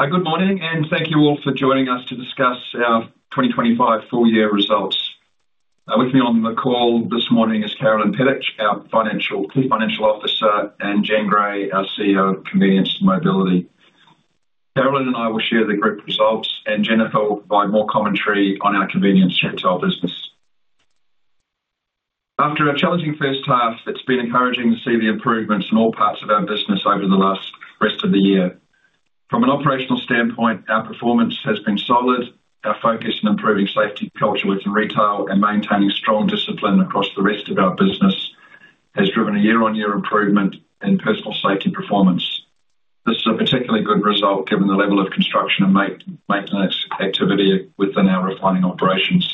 Hi, good morning, and thank you all for joining us to discuss our 2025 full year results. With me on the call this morning is Carolyn Pedic, our Chief Financial Officer, and Jen Gray, our CEO of Convenience and Mobility. Carolyn and I will share the group results, and Jennifer will provide more commentary on our convenience retail business. After a challenging first half, it's been encouraging to see the improvements in all parts of our business over the last rest of the year. From an operational standpoint, our performance has been solid. Our focus on improving safety, culture, with retail, and maintaining strong discipline across the rest of our business, has driven a year-on-year improvement in personal safety performance. This is a particularly good result given the level of construction and maintenance activity within our refining operations.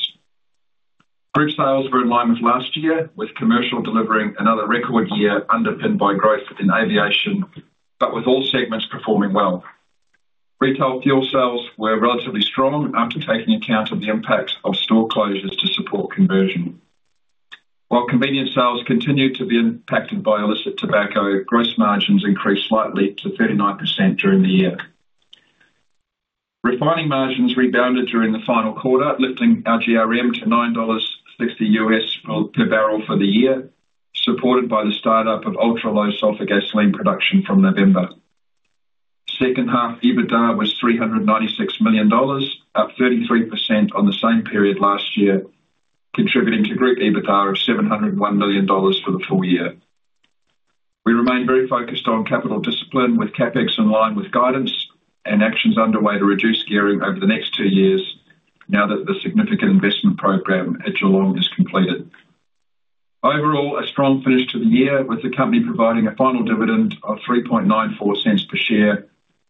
Group sales were in line with last year, with commercial delivering another record year underpinned by growth in aviation, but with all segments performing well. Retail fuel sales were relatively strong after taking account of the impact of store closures to support conversion. While convenience sales continued to be impacted by illicit tobacco, gross margins increased slightly to 39% during the year. Refining margins rebounded during the final quarter, lifting our GRM to $9.50 U.S. per barrel for the year, supported by the startup of ultra-low sulfur gasoline production from November. Second half, EBITDA was $396 million, up 33% on the same period last year, contributing to group EBITDA of $701 million for the full year. We remain very focused on capital discipline, with CapEx in line with guidance and actions underway to reduce gearing over the next 2 years now that the significant investment program at Geelong is completed. Overall, a strong finish to the year, with the company providing a final dividend of 0.0394 per share,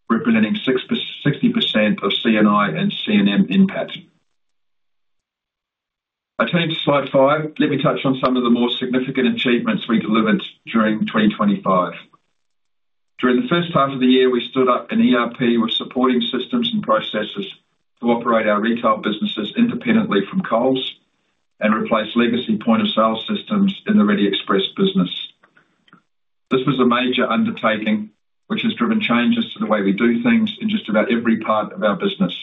representing 60% of C&I and C&M NPAT. I turn to slide 5. Let me touch on some of the more significant achievements we delivered during 2025. During the first half of the year, we stood up an ERP with supporting systems and processes to operate our retail businesses independently from Coles and replace legacy point-of-sale systems in the Reddy Express business. This was a major undertaking, which has driven changes to the way we do things in just about every part of our business,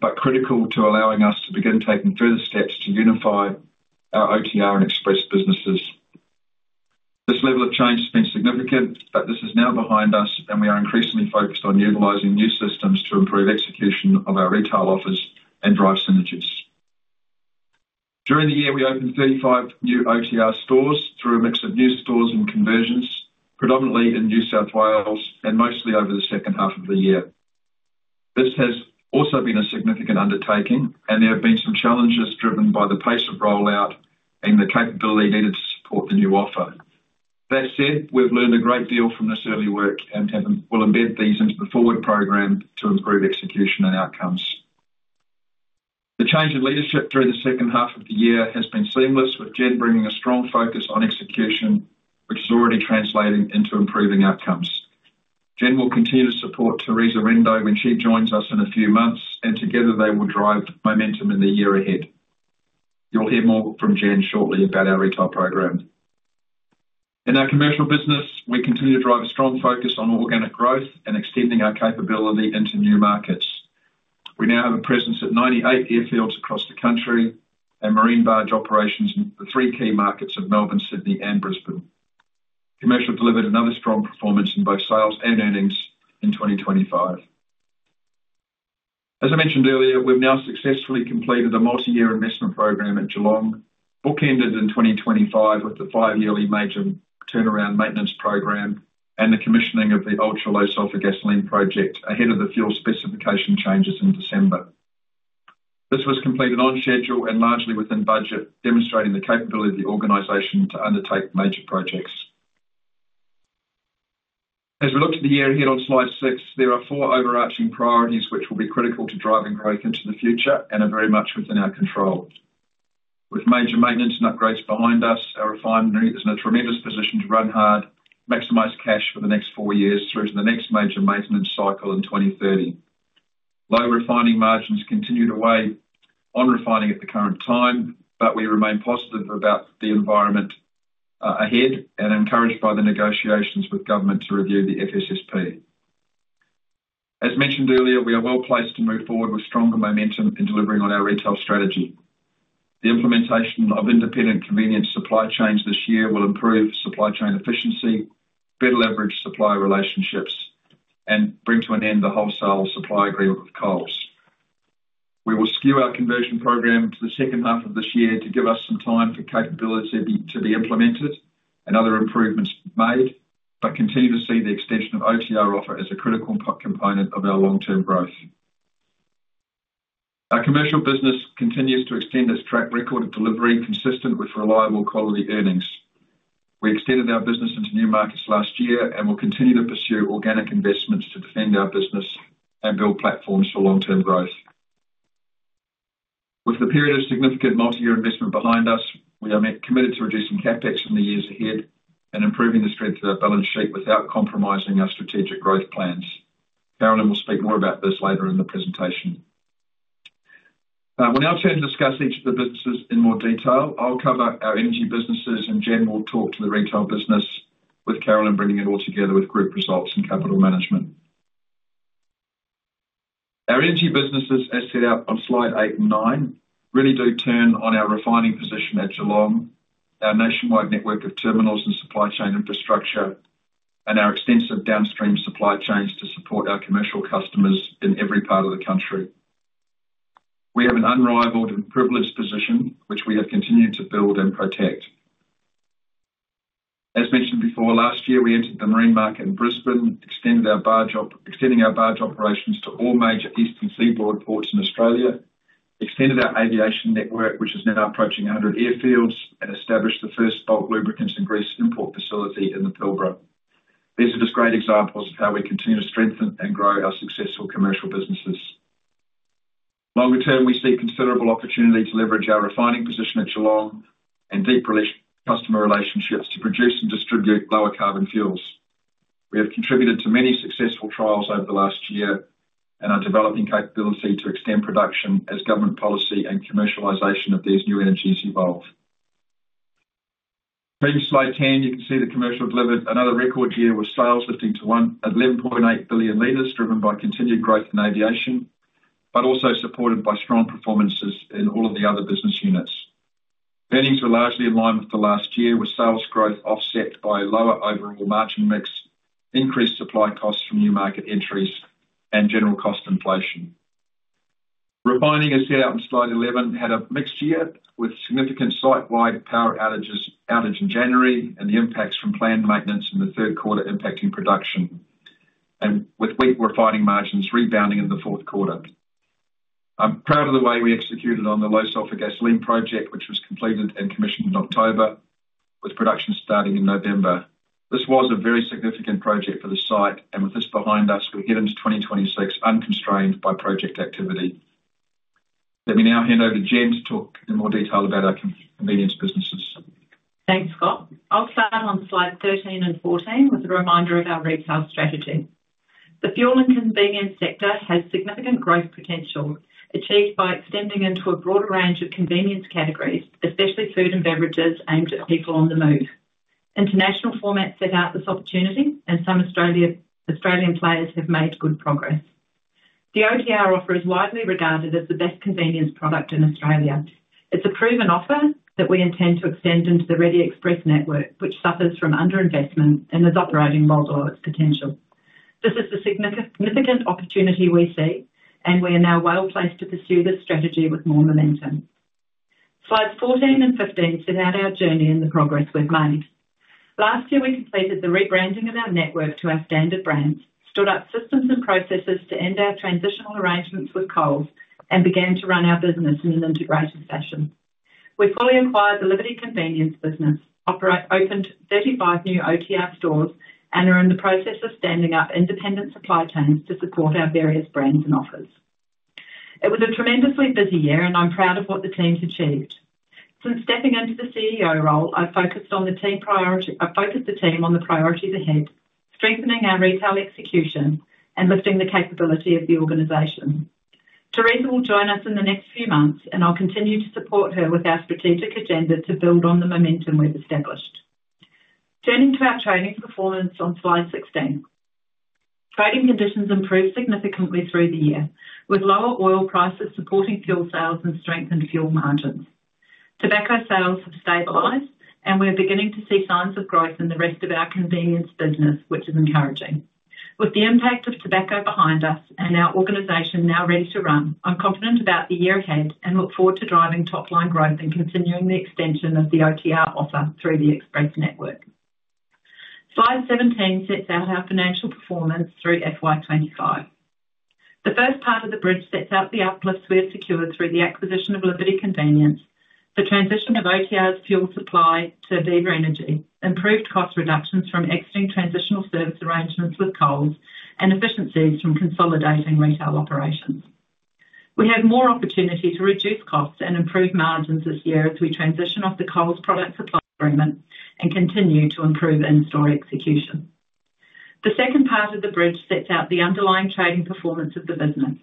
but critical to allowing us to begin taking further steps to unify our OTR and Express businesses. This level of change has been significant, but this is now behind us, and we are increasingly focused on utilizing new systems to improve execution of our retail offers and drive synergies. During the year, we opened 35 new OTR stores through a mix of new stores and conversions, predominantly in New South Wales and mostly over the second half of the year. This has also been a significant undertaking, and there have been some challenges driven by the pace of rollout and the capability needed to support the new offer. That said, we've learned a great deal from this early work and have, will embed these into the forward program to improve execution and outcomes. The change in leadership during the second half of the year has been seamless, with Jen bringing a strong focus on execution, which is already translating into improving outcomes. Jen will continue to support Teresa Rendo when she joins us in a few months, and together, they will drive momentum in the year ahead. You'll hear more from Jen shortly about our retail program. In our Commercial business, we continue to drive a strong focus on organic growth and extending our capability into new markets. We now have a presence at 98 airfields across the country and marine barge operations in the three key markets of Melbourne, Sydney, and Brisbane. Commercial delivered another strong performance in both sales and earnings in 2025. As I mentioned earlier, we've now successfully completed a multi-year investment program at Geelong, bookended in 2025 with the 5-yearly major turnaround maintenance program and the commissioning of the Ultra-Low Sulfur Gasoline project ahead of the fuel specification changes in December. This was completed on schedule and largely within budget, demonstrating the capability of the organization to undertake major projects. As we look to the year ahead on slide 6, there are 4 overarching priorities which will be critical to driving growth into the future and are very much within our control. With major maintenance and upgrades behind us, our refinery is in a tremendous position to run hard, maximize cash for the next 4 years through to the next major maintenance cycle in 2030. Low refining margins continue to weigh on refining at the current time, but we remain positive about the environment ahead and encouraged by the negotiations with government to review the FSSP. As mentioned earlier, we are well placed to move forward with stronger momentum in delivering on our retail strategy. The implementation of independent convenience supply chains this year will improve supply chain efficiency, better leverage supplier relationships, and bring to an end the wholesale supply agreement with Coles. We will skew our conversion program to the second half of this year to give us some time for capability to be implemented and other improvements made, but continue to see the extension of OTR offer as a critical pot component of our long-term growth. Our commercial business continues to extend its track record of delivery consistent with reliable quality earnings. We extended our business into new markets last year and will continue to pursue organic investments to defend our business and build platforms for long-term growth. With the period of significant multi-year investment behind us, we are committed to reducing CapEx in the years ahead and improving the strength of our balance sheet without compromising our strategic growth plans. Carolyn will speak more about this later in the presentation. We'll now turn and discuss each of the businesses in more detail. I'll cover our energy businesses, and Jen will talk to the retail business, with Carolyn bringing it all together with group results and capital management. Our energy businesses, as set out on Slide 8 and 9, really do turn on our refining position at Geelong, our nationwide network of terminals and supply chain infrastructure, and our extensive downstream supply chains to support our commercial customers in every part of the country. We have an unrivaled and privileged position, which we have continued to build and protect. As mentioned before, last year, we entered the marine market in Brisbane, extending our barge operations to all major eastern seaboard ports in Australia, extended our aviation network, which is now approaching 100 airfields, and established the first bulk lubricants and grease import facility in the Pilbara. These are just great examples of how we continue to strengthen and grow our successful commercial businesses. Longer term, we see considerable opportunity to leverage our refining position at Geelong and deep customer relationships to produce and distribute lower carbon fuels. We have contributed to many successful trials over the last year and are developing capability to extend production as government policy and commercialization of these new energies evolve. Turning to slide 10, you can see that commercial delivered another record year, with sales lifting to 11.8 billion liters, driven by continued growth in aviation, also supported by strong performances in all of the other business units. Earnings were largely in line with the last year, with sales growth offset by lower overall margin mix, increased supply costs from new market entries, and general cost inflation. Refining, as set out in slide 11, had a mixed year, with significant site-wide power outages, outage in January and the impacts from planned maintenance in the third quarter impacting production, and with weak refining margins rebounding in the fourth quarter. I'm proud of the way we executed on the low sulfur gasoline project, which was completed and commissioned in October, with production starting in November. This was a very significant project for the site, and with this behind us, we get into 2026 unconstrained by project activity. Let me now hand over to Jen to talk in more detail about our convenience businesses. Thanks, Scott. I'll start on slide 13 and 14 with a reminder of our retail strategy. The fuel and convenience sector has significant growth potential, achieved by extending into a broader range of convenience categories, especially food and beverages aimed at people on the move. International formats set out this opportunity, some Australian players have made good progress. The OTR offer is widely regarded as the best convenience product in Australia. It's a proven offer that we intend to extend into the Reddy Express network, which suffers from underinvestment and is operating well below its potential. This is a significant opportunity we see. We are now well placed to pursue this strategy with more momentum. Slides 14 and 15 set out our journey and the progress we've made. Last year, we completed the rebranding of our network to our standard brands, stood up systems and processes to end our transitional arrangements with Coles Group, and began to run our business in an integrated fashion. We fully acquired the Liberty Oil Convenience business, opened 35 new OTR stores, and are in the process of standing up independent supply chains to support our various brands and offers. It was a tremendously busy year, and I'm proud of what the team's achieved. Since stepping into the CEO role, I've focused the team on the priorities ahead, strengthening our retail execution and lifting the capability of the organization. Teresa Rendo will join us in the next few months, and I'll continue to support her with our strategic agenda to build on the momentum we've established. Turning to our trading performance on slide 16. Trading conditions improved significantly through the year, with lower oil prices supporting fuel sales and strengthened fuel margins. Tobacco sales have stabilized, and we're beginning to see signs of growth in the rest of our convenience business, which is encouraging. With the impact of tobacco behind us and our organization now ready to run, I'm confident about the year ahead and look forward to driving top-line growth and continuing the extension of the OTR offer through the Express network. Slide 17 sets out our financial performance through FY 2025. The first part of the bridge sets out the uplifts we have secured through the acquisition of Liberty Convenience, the transition of OTR's fuel supply to Viva Energy, improved cost reductions from exiting transitional service arrangements with Coles, and efficiencies from consolidating retail operations. We have more opportunity to reduce costs and improve margins this year as we transition off the Coles product supply agreement and continue to improve in-store execution. The second part of the bridge sets out the underlying trading performance of the business.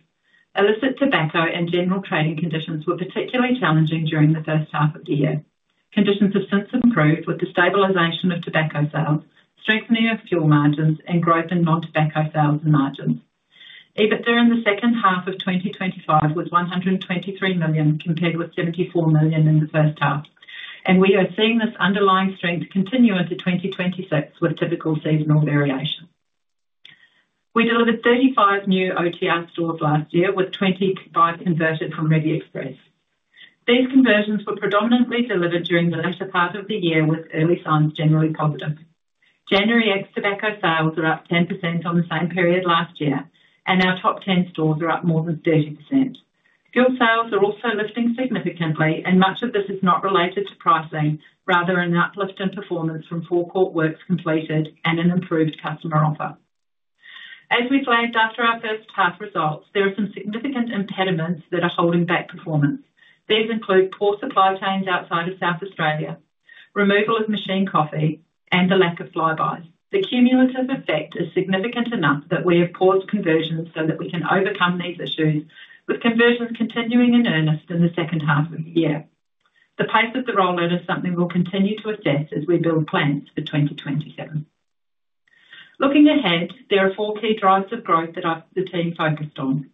Illicit tobacco and general trading conditions were particularly challenging during the first half of the year. Conditions have since improved, with the stabilization of tobacco sales, strengthening of fuel margins, and growth in non-tobacco sales and margins. EBITDA in the second half of 2025 was 123 million, compared with 74 million in the first half, and we are seeing this underlying strength continue into 2026 with typical seasonal variation. We delivered 35 new OTR stores last year, with 25 converted from Reddy Express. These conversions were predominantly delivered during the latter part of the year, with early signs generally positive. January ex tobacco sales are up 10% on the same period last year. Our top 10 stores are up more than 30%. Fuel sales are also lifting significantly. Much of this is not related to pricing, rather an uplift in performance from forecourt works completed and an improved customer offer. As we flagged after our first half results, there are some significant impediments that are holding back performance. These include poor supply chains outside of South Australia, removal of machine coffee, and the lack of Flybuys. The cumulative effect is significant enough that we have paused conversions so that we can overcome these issues, with conversions continuing in earnest in the second half of the year. The pace of the rollout is something we'll continue to assess as we build plans for 2027. Looking ahead, there are four key drivers of growth that the team focused on.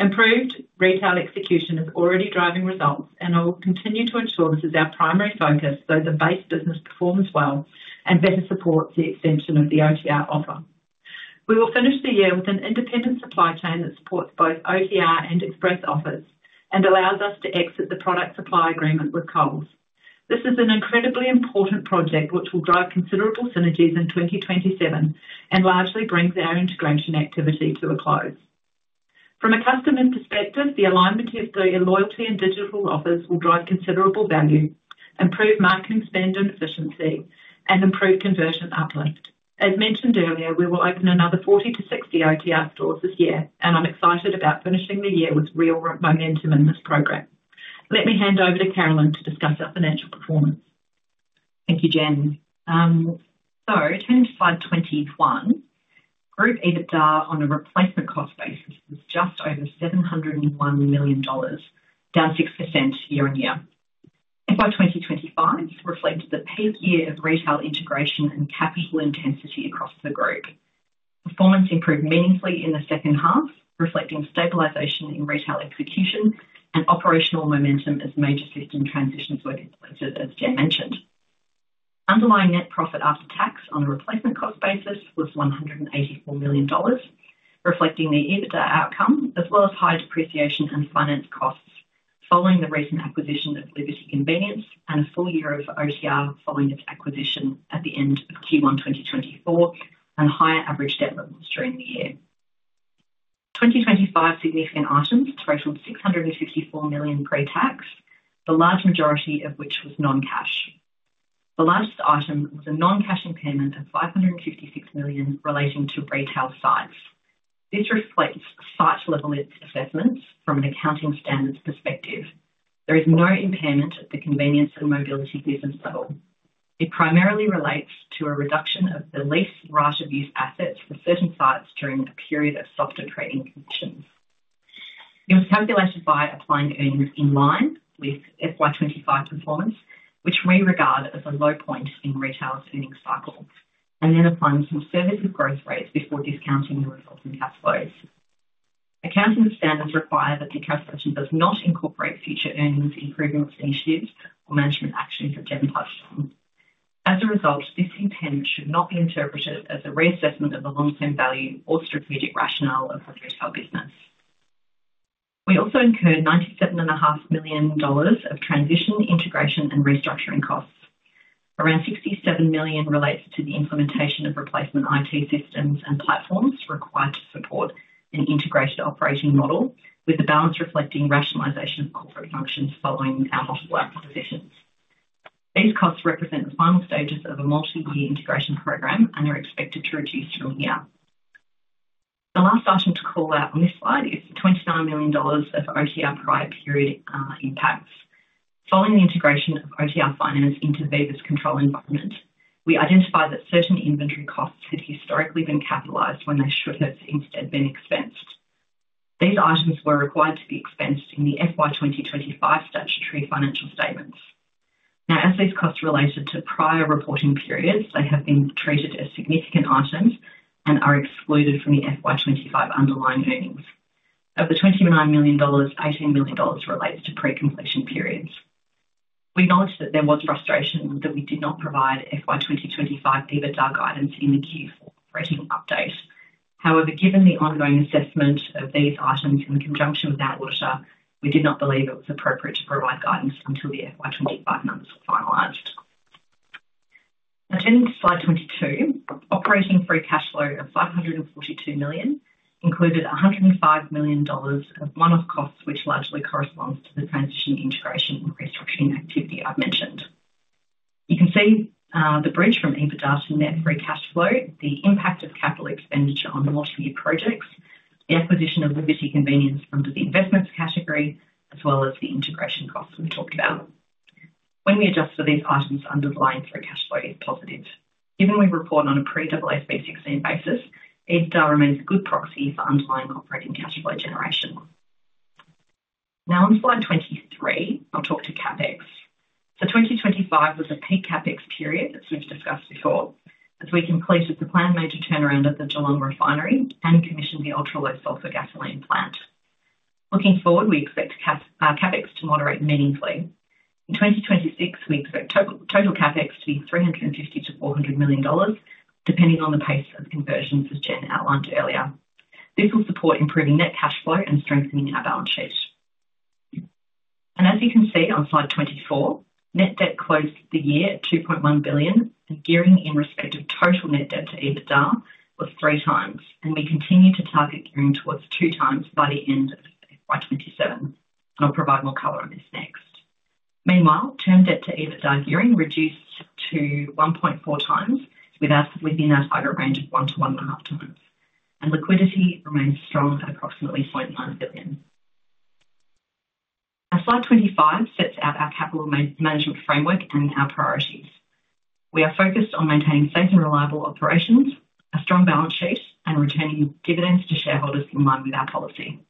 Improved retail execution is already driving results, and I will continue to ensure this is our primary focus, so the base business performs well and better supports the extension of the OTR offer. We will finish the year with an independent supply chain that supports both OTR and express offers and allows us to exit the product supply agreement with Coles. This is an incredibly important project which will drive considerable synergies in 2027 and largely brings our integration activity to a close. From a customer perspective, the alignment of the loyalty and digital offers will drive considerable value, improve marketing spend and efficiency, and improve conversion uplift. As mentioned earlier, we will open another 40-60 OTR stores this year, and I'm excited about finishing the year with real momentum in this program. Let me hand over to Carolyn to discuss our financial performance. Thank you, Jen. Turning to slide 21, group EBITDA on a replacement cost basis was just over 701 million dollars, down 6% year-on-year. By 2025, reflected the peak year of retail integration and capital intensity across the group. Performance improved meaningfully in the second half, reflecting stabilization in retail execution and operational momentum as major system transitions were completed, as Jen mentioned. Underlying Net Profit After Tax on a replacement cost basis was 184 million dollars, reflecting the EBITDA outcome, as well as high depreciation and finance costs following the recent acquisition of Liberty Oil Convenience and a full year of OTR following its acquisition at the end of Q1 2024, and higher average debt levels during the year. 2025 significant items totaled 664 million pre-tax, the large majority of which was non-cash. The largest item was a non-cash impairment of 556 million relating to retail sites. This reflects site-level assessments from an accounting standards perspective. There is no impairment at the Convenience & Mobility business level. It primarily relates to a reduction of the lease right-of-use assets for certain sites during a period of softer trading conditions. It was calculated by applying earnings in line with FY 2025 performance, which we regard as a low point in retail's earnings cycle, and then applying some service of growth rates before discounting the resulting cash flows. Accounting standards require that the cash portion does not incorporate future earnings improvements, initiatives, or management actions that Jen touched on. As a result, this impairment should not be interpreted as a reassessment of the long-term value or strategic rationale of the retail business. We also incurred $97.5 million of transition, integration, and restructuring costs. Around $67 million relates to the implementation of replacement IT systems and platforms required to support an integrated operating model, with the balance reflecting rationalization of corporate functions following our model work positions. These costs represent the final stages of a multi-year integration program and are expected to reduce through the year. The last item to call out on this slide is $29 million of OTR prior period impacts. Following the integration of OTR finance into Viva's control environment, we identified that certain inventory costs had historically been capitalized when they should have instead been expensed. These items were required to be expensed in the FY 2025 statutory financial statements. As these costs related to prior reporting periods, they have been treated as significant items and are excluded from the FY 2025 underlying earnings. Of the 29 million dollars, 18 million dollars relates to pre-completion periods. We acknowledge that there was frustration that we did not provide FY 2025 EBITDA guidance in the Q4 trading update. Given the ongoing assessment of these items in conjunction with our auditor, we did not believe it was appropriate to provide guidance until the FY 2025 numbers were finalized. Turning to slide 22, operating free cash flow of 542 million included 105 million dollars of one-off costs, which largely corresponds to the transition, integration, and restructuring activity I've mentioned. You can see the bridge from EBITDA to net free cash flow, the impact of capital expenditure on multi-year projects, the acquisition of Liberty Convenience under the investments category, as well as the integration costs we talked about. When we adjust for these items, underlying free cash flow is positive. Given we report on a pre-AASB 16 basis, EBITDA remains a good proxy for underlying operating cash flow generation. On slide 23, I'll talk to CapEx. 2025 was a peak CapEx period, as we've discussed before, as we completed the planned major turnaround at the Geelong refinery and commissioned the Ultra-Low Sulfur Gasoline plant. Looking forward, we expect CapEx to moderate meaningfully. In 2026, we expect total CapEx to be 350 million-400 million dollars, depending on the pace of conversions, as Jen outlined earlier. This will support improving net cash flow and strengthening our balance sheet. As you can see on slide 24, net debt closed the year at 2.1 billion, gearing in respect of total net debt to EBITDA was 3x, and we continue to target gearing towards 2x by the end of FY 2027. I'll provide more color on this next. Meanwhile, term debt to EBITDA gearing reduced to 1.4x, with us within our target range of 1-1.5x, liquidity remains strong at approximately 0.9 billion. Our Slide 25 sets out our capital management framework and our priorities. We are focused on maintaining safe and reliable operations, a strong balance sheet, and returning dividends to shareholders in line with our policy.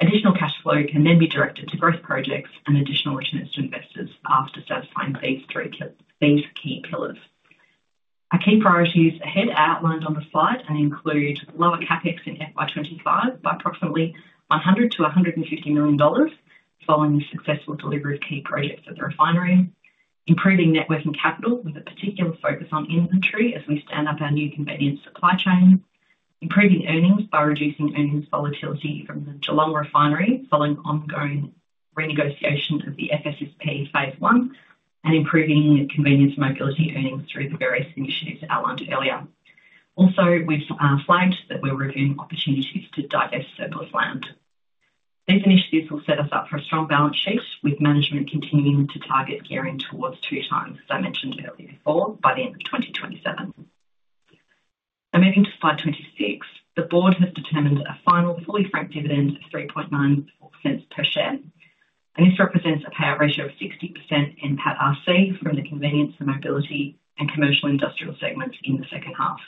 Additional cash flow can be directed to growth projects and additional returns to investors after satisfying these key pillars. Our key priorities ahead are outlined on the slide and include lower CapEx in FY 2025 by approximately 100 million-150 million dollars, following the successful delivery of key projects at the Geelong Refinery. Improving net working capital, with a particular focus on inventory as we stand up our new convenience supply chain. Improving earnings by reducing earnings volatility from the Geelong Refinery, following ongoing renegotiation of the FSSP phase one, and improving Convenience & Mobility earnings through the various initiatives outlined earlier. We've flagged that we're reviewing opportunities to divest surplus land. These initiatives will set us up for a strong balance sheet, with management continuing to target gearing towards 2x, as I mentioned earlier before, by the end of 2027. Moving to Slide 26, the board has determined a final fully franked dividend of 0.0394 per share, and this represents a payout ratio of 60% in NPAT (RC) from the Convenience & Mobility and Commercial & Industrial segments in the second half.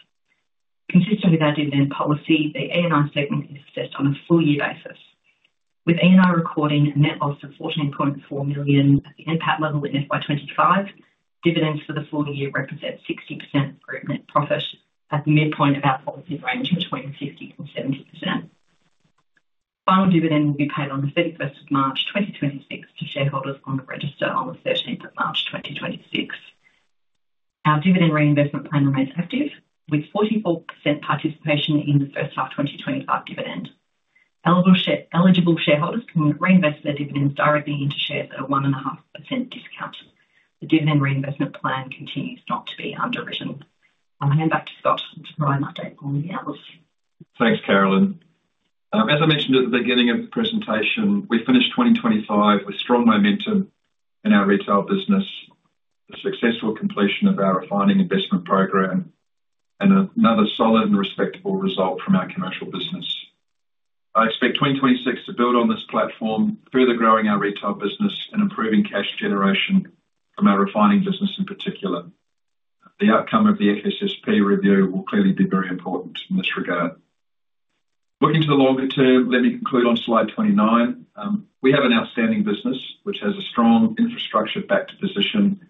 Consistent with our dividend policy, the E&I segment is assessed on a full year basis, with E&I recording a net loss of 14.4 million at the NPAT level in FY 2025. Dividends for the full year represent 60% through net profit at the midpoint of our policy range between 50% and 70%. Final dividend will be paid on the 31st of March 2026, to shareholders on the register on the 13th of March 2026. Our dividend reinvestment plan remains active, with 44% participation in the first half 2025 dividend. Eligible shareholders can reinvest their dividends directly into shares at a 1.5% discount. The dividend reinvestment plan continues not to be underwritten. I'll hand back to Scott to provide an update on the outlook. Thanks, Carolyn. As I mentioned at the beginning of the presentation, we finished 2025 with strong momentum in our retail business, the successful completion of our refining investment program, another solid and respectable result from our commercial business. I expect 2026 to build on this platform, further growing our retail business and improving cash generation from our refining business in particular. The outcome of the FSSP review will clearly be very important in this regard. Looking to the longer term, let me conclude on slide 29. We have an outstanding business, which has a strong infrastructure backed position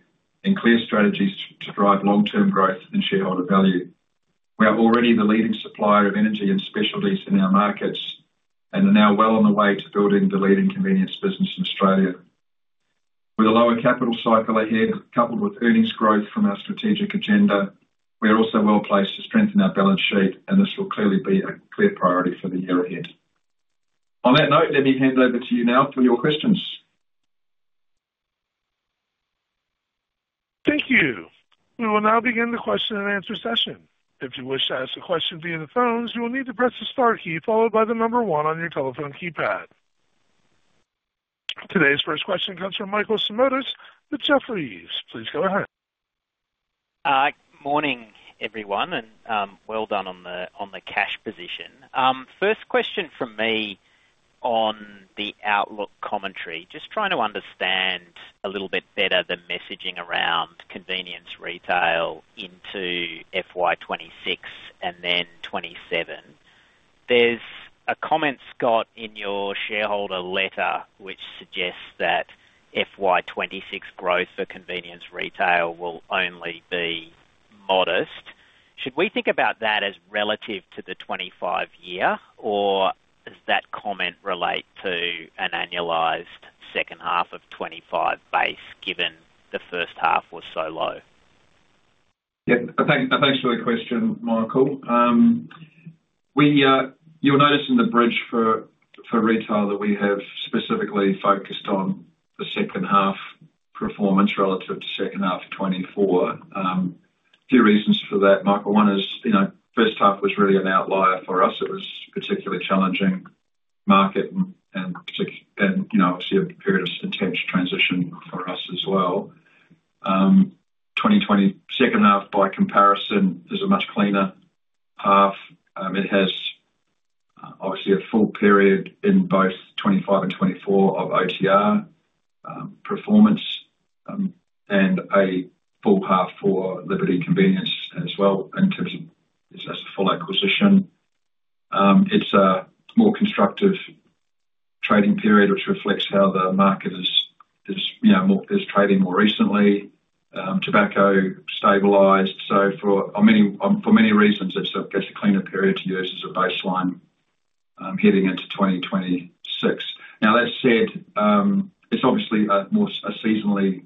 and clear strategies to drive long-term growth and shareholder value. We are already the leading supplier of energy and specialties in our markets and are now well on the way to building the leading convenience business in Australia. With a lower capital cycle ahead, coupled with earnings growth from our strategic agenda, we are also well placed to strengthen our balance sheet. This will clearly be a clear priority for the year ahead. On that note, let me hand over to you now for your questions. Thank you. We will now begin the question and answer session. If you wish to ask a question via the phones, you will need to press the star key followed by the number one on your telephone keypad. Today's first question comes from Michael Simotas with Jefferies. Please go ahead. Morning, everyone. Well done on the cash position. First question from me on the outlook commentary. Just trying to understand a little bit better the messaging around convenience retail into FY 2026 and then 2027. There's a comment, Scott, in your shareholder letter, which suggests that FY 2026 growth for convenience retail will only be modest. Should we think about that as relative to the 2025 year, or does that comment relate to an annualized second half of 2025 base, given the first half was so low? Yeah. Thank, thanks for the question, Michael. We, you'll notice in the bridge for, for retail that we have specifically focused on the second half performance relative to second half 2024. A few reasons for that, Michael. One is, you know, first half was really an outlier for us. It was a particularly challenging market and, you know, obviously a period of intense transition for us as well. 2020 second half, by comparison, is a much cleaner half. It has, obviously a full period in both 2025 and 2024 of OTR performance, and a full half for Liberty Convenience as well, in terms of as a full acquisition. It's a more constructive trading period, which reflects how the market is, is, you know, trading more recently. Tobacco stabilized, so for many reasons, it's, I guess, a cleaner period to use as a baseline, heading into 2026. That said, it's obviously a more, a seasonally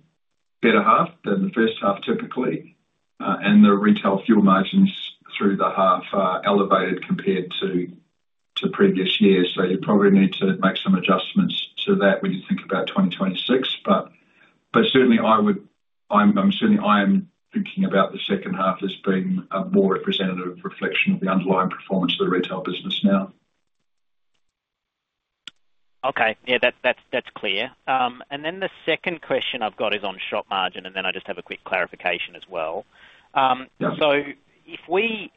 better half than the first half, typically, and the retail fuel margins through the half are elevated compared to previous years. You probably need to make some adjustments to that when you think about 2026. But certainly I am thinking about the second half as being a more representative reflection of the underlying performance of the retail business now. Okay. Yeah, that, that's, that's clear. The second question I've got is on shop margin, and then I just have a quick clarification as well. If we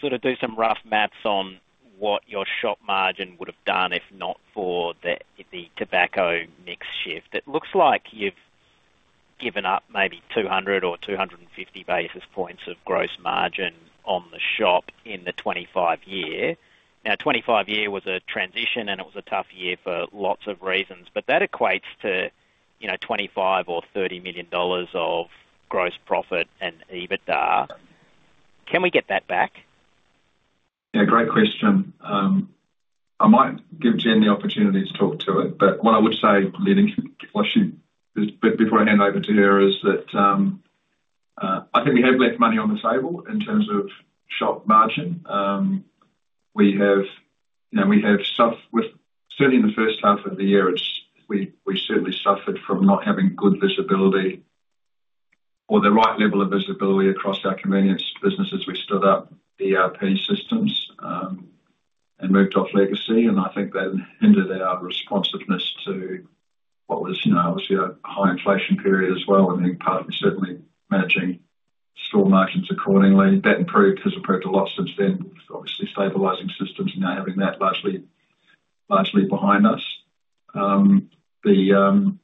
sort of do some rough maths on what your shop margin would have done if not for the, the tobacco mix shift. It looks like you've given up maybe 200 or 250 basis points of gross margin on the shop in the 2025 year. Now, 2025 year was a transition, and it was a tough year for lots of reasons, but that equates to, you know, 25 million or 30 million dollars of gross profit and EBITDA. Can we get that back? Yeah, great question. I might give Jen the opportunity to talk to it, but what I would say, but before I hand over to her, is that, I think we have left money on the table in terms of shop margin. We have, you know, we have certainly in the first half of the year, it's, we, we certainly suffered from not having good visibility or the right level of visibility across our convenience business as we stood up ERP systems, and moved off legacy. I think that hindered our responsiveness to what was, you know, obviously a high inflation period as well, and then partly certainly managing store margins accordingly. That improved, has improved a lot since then. Obviously, stabilizing systems now, having that largely, largely behind us. The,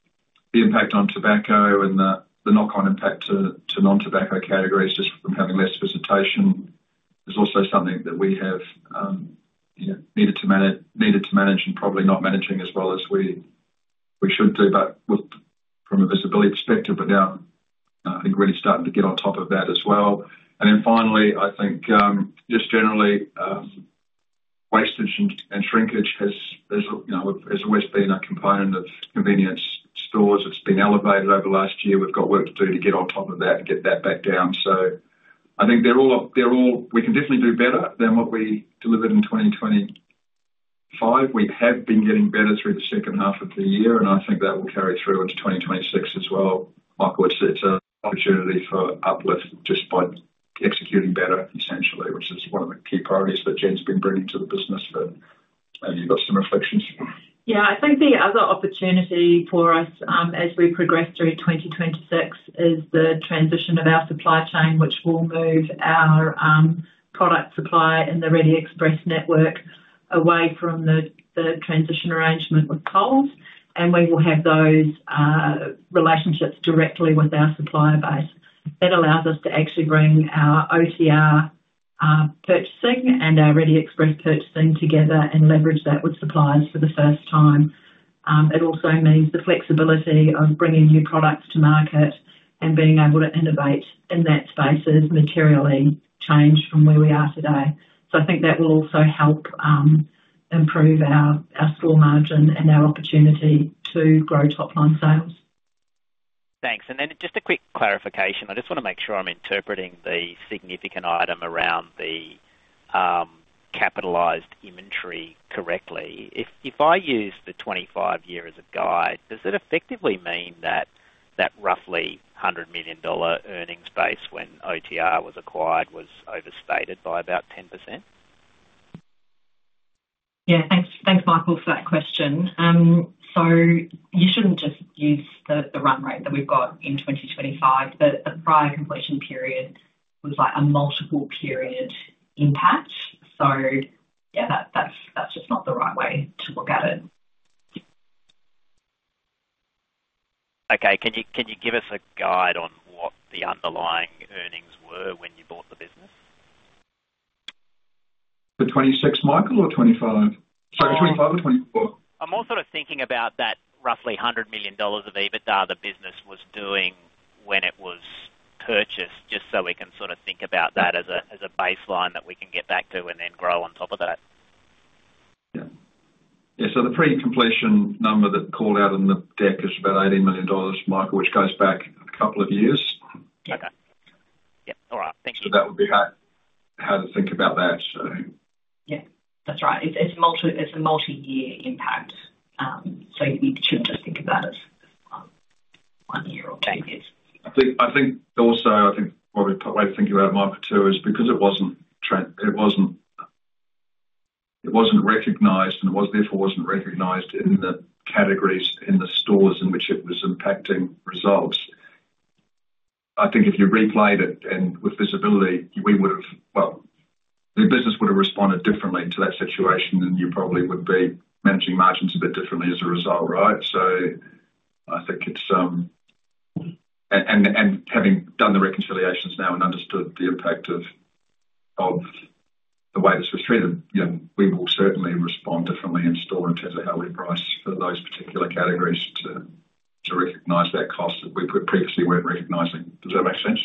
the impact on tobacco and the, the knock-on impact to, to non-tobacco categories, just from having less visitation, is also something that we have, you know, needed to manage and probably not managing as well as we, we should do, but with from a visibility perspective. Now, I think we're really starting to get on top of that as well. Finally, I think, just generally, wastage and, and shrinkage has, has, you know, has always been a component of convenience stores. It's been elevated over the last year. We've got work to do to get on top of that and get that back down. I think they're all. We can definitely do better than what we delivered in 2025. We have been getting better through the second half of the year, I think that will carry through into 2026 as well. Michael, I'd say it's an opportunity for uplift just by executing better essentially, which is one of the key priorities that Jen's been bringing to the business. You've got some reflections? Yeah, I think the other opportunity for us, as we progress through 2026, is the transition of our supply chain, which will move our product supply and the Reddy Express network away from the transition arrangement with Coles, and we will have those relationships directly with our supplier base. That allows us to actually bring our OTR purchasing and our Reddy Express purchasing together and leverage that with suppliers for the first time. It also means the flexibility of bringing new products to market and being able to innovate in that space is materially changed from where we are today. I think that will also help improve our, our store margin and our opportunity to grow top-line sales. Thanks. Then just a quick clarification. I just wanna make sure I'm interpreting the significant item around the capitalized inventory correctly. If I use the 2025 year as a guide, does it effectively mean that roughly 100 million dollar earnings base when OTR was acquired was overstated by about 10%? Yeah. Thanks, thanks, Michael, for that question. You shouldn't just use the, the run rate that we've got in 2025. The, the prior completion period was like a multiple period impact. Yeah, that, that's, that's just not the right way to look at it. Okay. Can you, can you give us a guide on what the underlying earnings were when you bought the business? The 2026, Michael, or 2025? Sorry, 2025 or 2024. I'm more sort of thinking about that roughly 100 million dollars of EBITDA the business was doing when it was purchased, just so we can sort of think about that as a, as a baseline that we can get back to and then grow on top of that. Yeah. Yeah, the pre-completion number that called out in the deck is about 80 million dollars, Michael, which goes back a couple of years. Okay. Yeah. All right. Thank you. That would be how, how to think about that, so. Yeah, that's right. It's a multi-year impact, you shouldn't just think about it as one, one year or two years. I think, I think also, I think probably the way to think about it, Michael, too, is because it wasn't, it wasn't, it wasn't recognized and it was therefore wasn't recognized in the categories, in the stores in which it was impacting results. I think if you replayed it and with visibility, we would have. Well, the business would have responded differently to that situation, and you probably would be managing margins a bit differently as a result, right? I think it's, and, and having done the reconciliations now and understood the impact of, of the way this was treated, you know, we will certainly respond differently in store in terms of how we price for those particular categories to, to recognize that cost that we previously weren't recognizing. Does that make sense?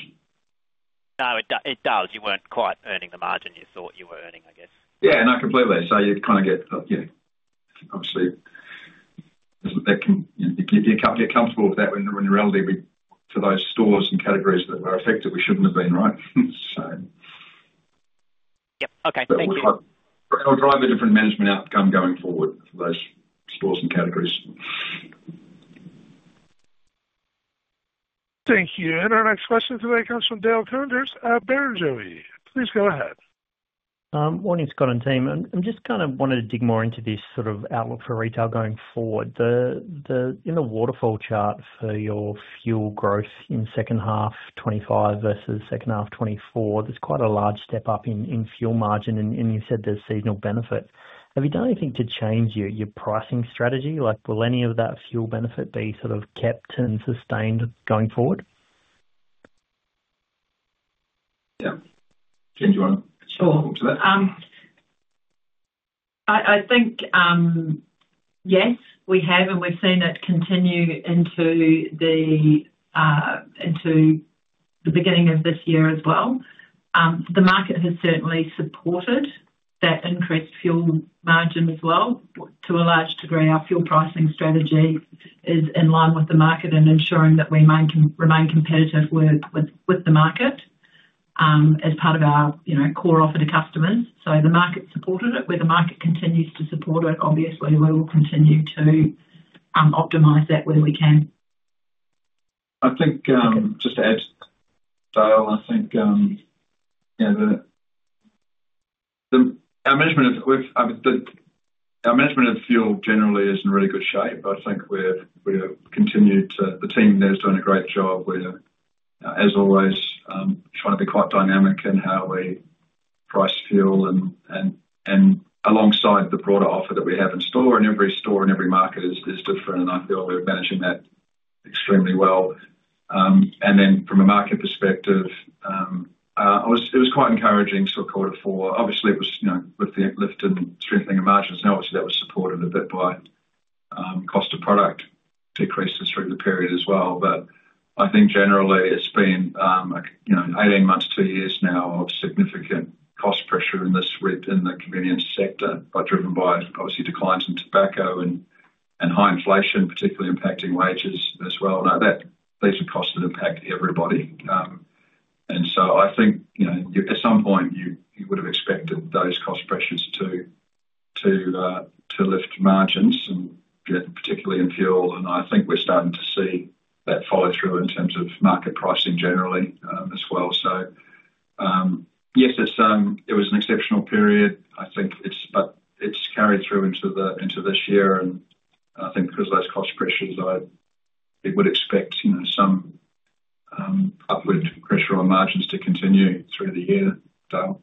No, it does. You weren't quite earning the margin you thought you were earning, I guess. Yeah, no, completely. You kind of get, yeah, obviously, isn't that com- you, you can't get comfortable with that when in reality, we, for those stores and categories that were affected, we shouldn't have been, right? So. Yep. Okay. Thank you. It'll drive a different management outcome going forward for those stores and categories. Thank you. Our next question today comes from Dale Koenders at Barrenjoey. Please go ahead. Morning, Scott and team. I just kind of wanted to dig more into this sort of outlook for retail going forward. In the waterfall chart for your fuel growth in second half 2025 versus second half 2024, there's quite a large step up in fuel margin, and you said there's seasonal benefit. Have you done anything to change your pricing strategy? Like, will any of that fuel benefit be sort of kept and sustained going forward? Yeah. Jen, do you want to- Sure. I, I think, yes, we have, and we've seen it continue into the beginning of this year as well. The market has certainly supported that increased fuel margin as well. To a large degree, our fuel pricing strategy is in line with the market and ensuring that we main- remain competitive with, with, with the market, as part of our, you know, core offer to customers. The market supported it. Where the market continues to support it, obviously, we will continue to optimize that where we can. I think, just to add, Dale Koenders, I think, you know, our management of fuel generally is in really good shape. I think we have continued to. The team there has done a great job. We're, as always, trying to be quite dynamic in how we price fuel and alongside the broader offer that we have in store. Every store and every market is different, and I feel we're managing that extremely well. Then from a market perspective, it was quite encouraging, so quarter four, obviously, it was, you know, with the lift and strengthening of margins. Obviously that was supported a bit by cost of product decreases through the period as well. I think generally it's been, you know, 18 months, 2 years now, of significant cost pressure in this retail, in the convenience sector, but driven by obviously declines in tobacco and high inflation, particularly impacting wages as well. That, these are costs that impact everybody. I think, you know, at some point you, you would've expected those cost pressures to, to lift margins and particularly in fuel, and I think we're starting to see that follow through in terms of market pricing generally as well. Yes, it's, it was an exceptional period. I think it's, but it's carried through into the, into this year, and I think because of those cost pressures, I would expect, you know, some upward pressure on margins to continue through the year, Dale.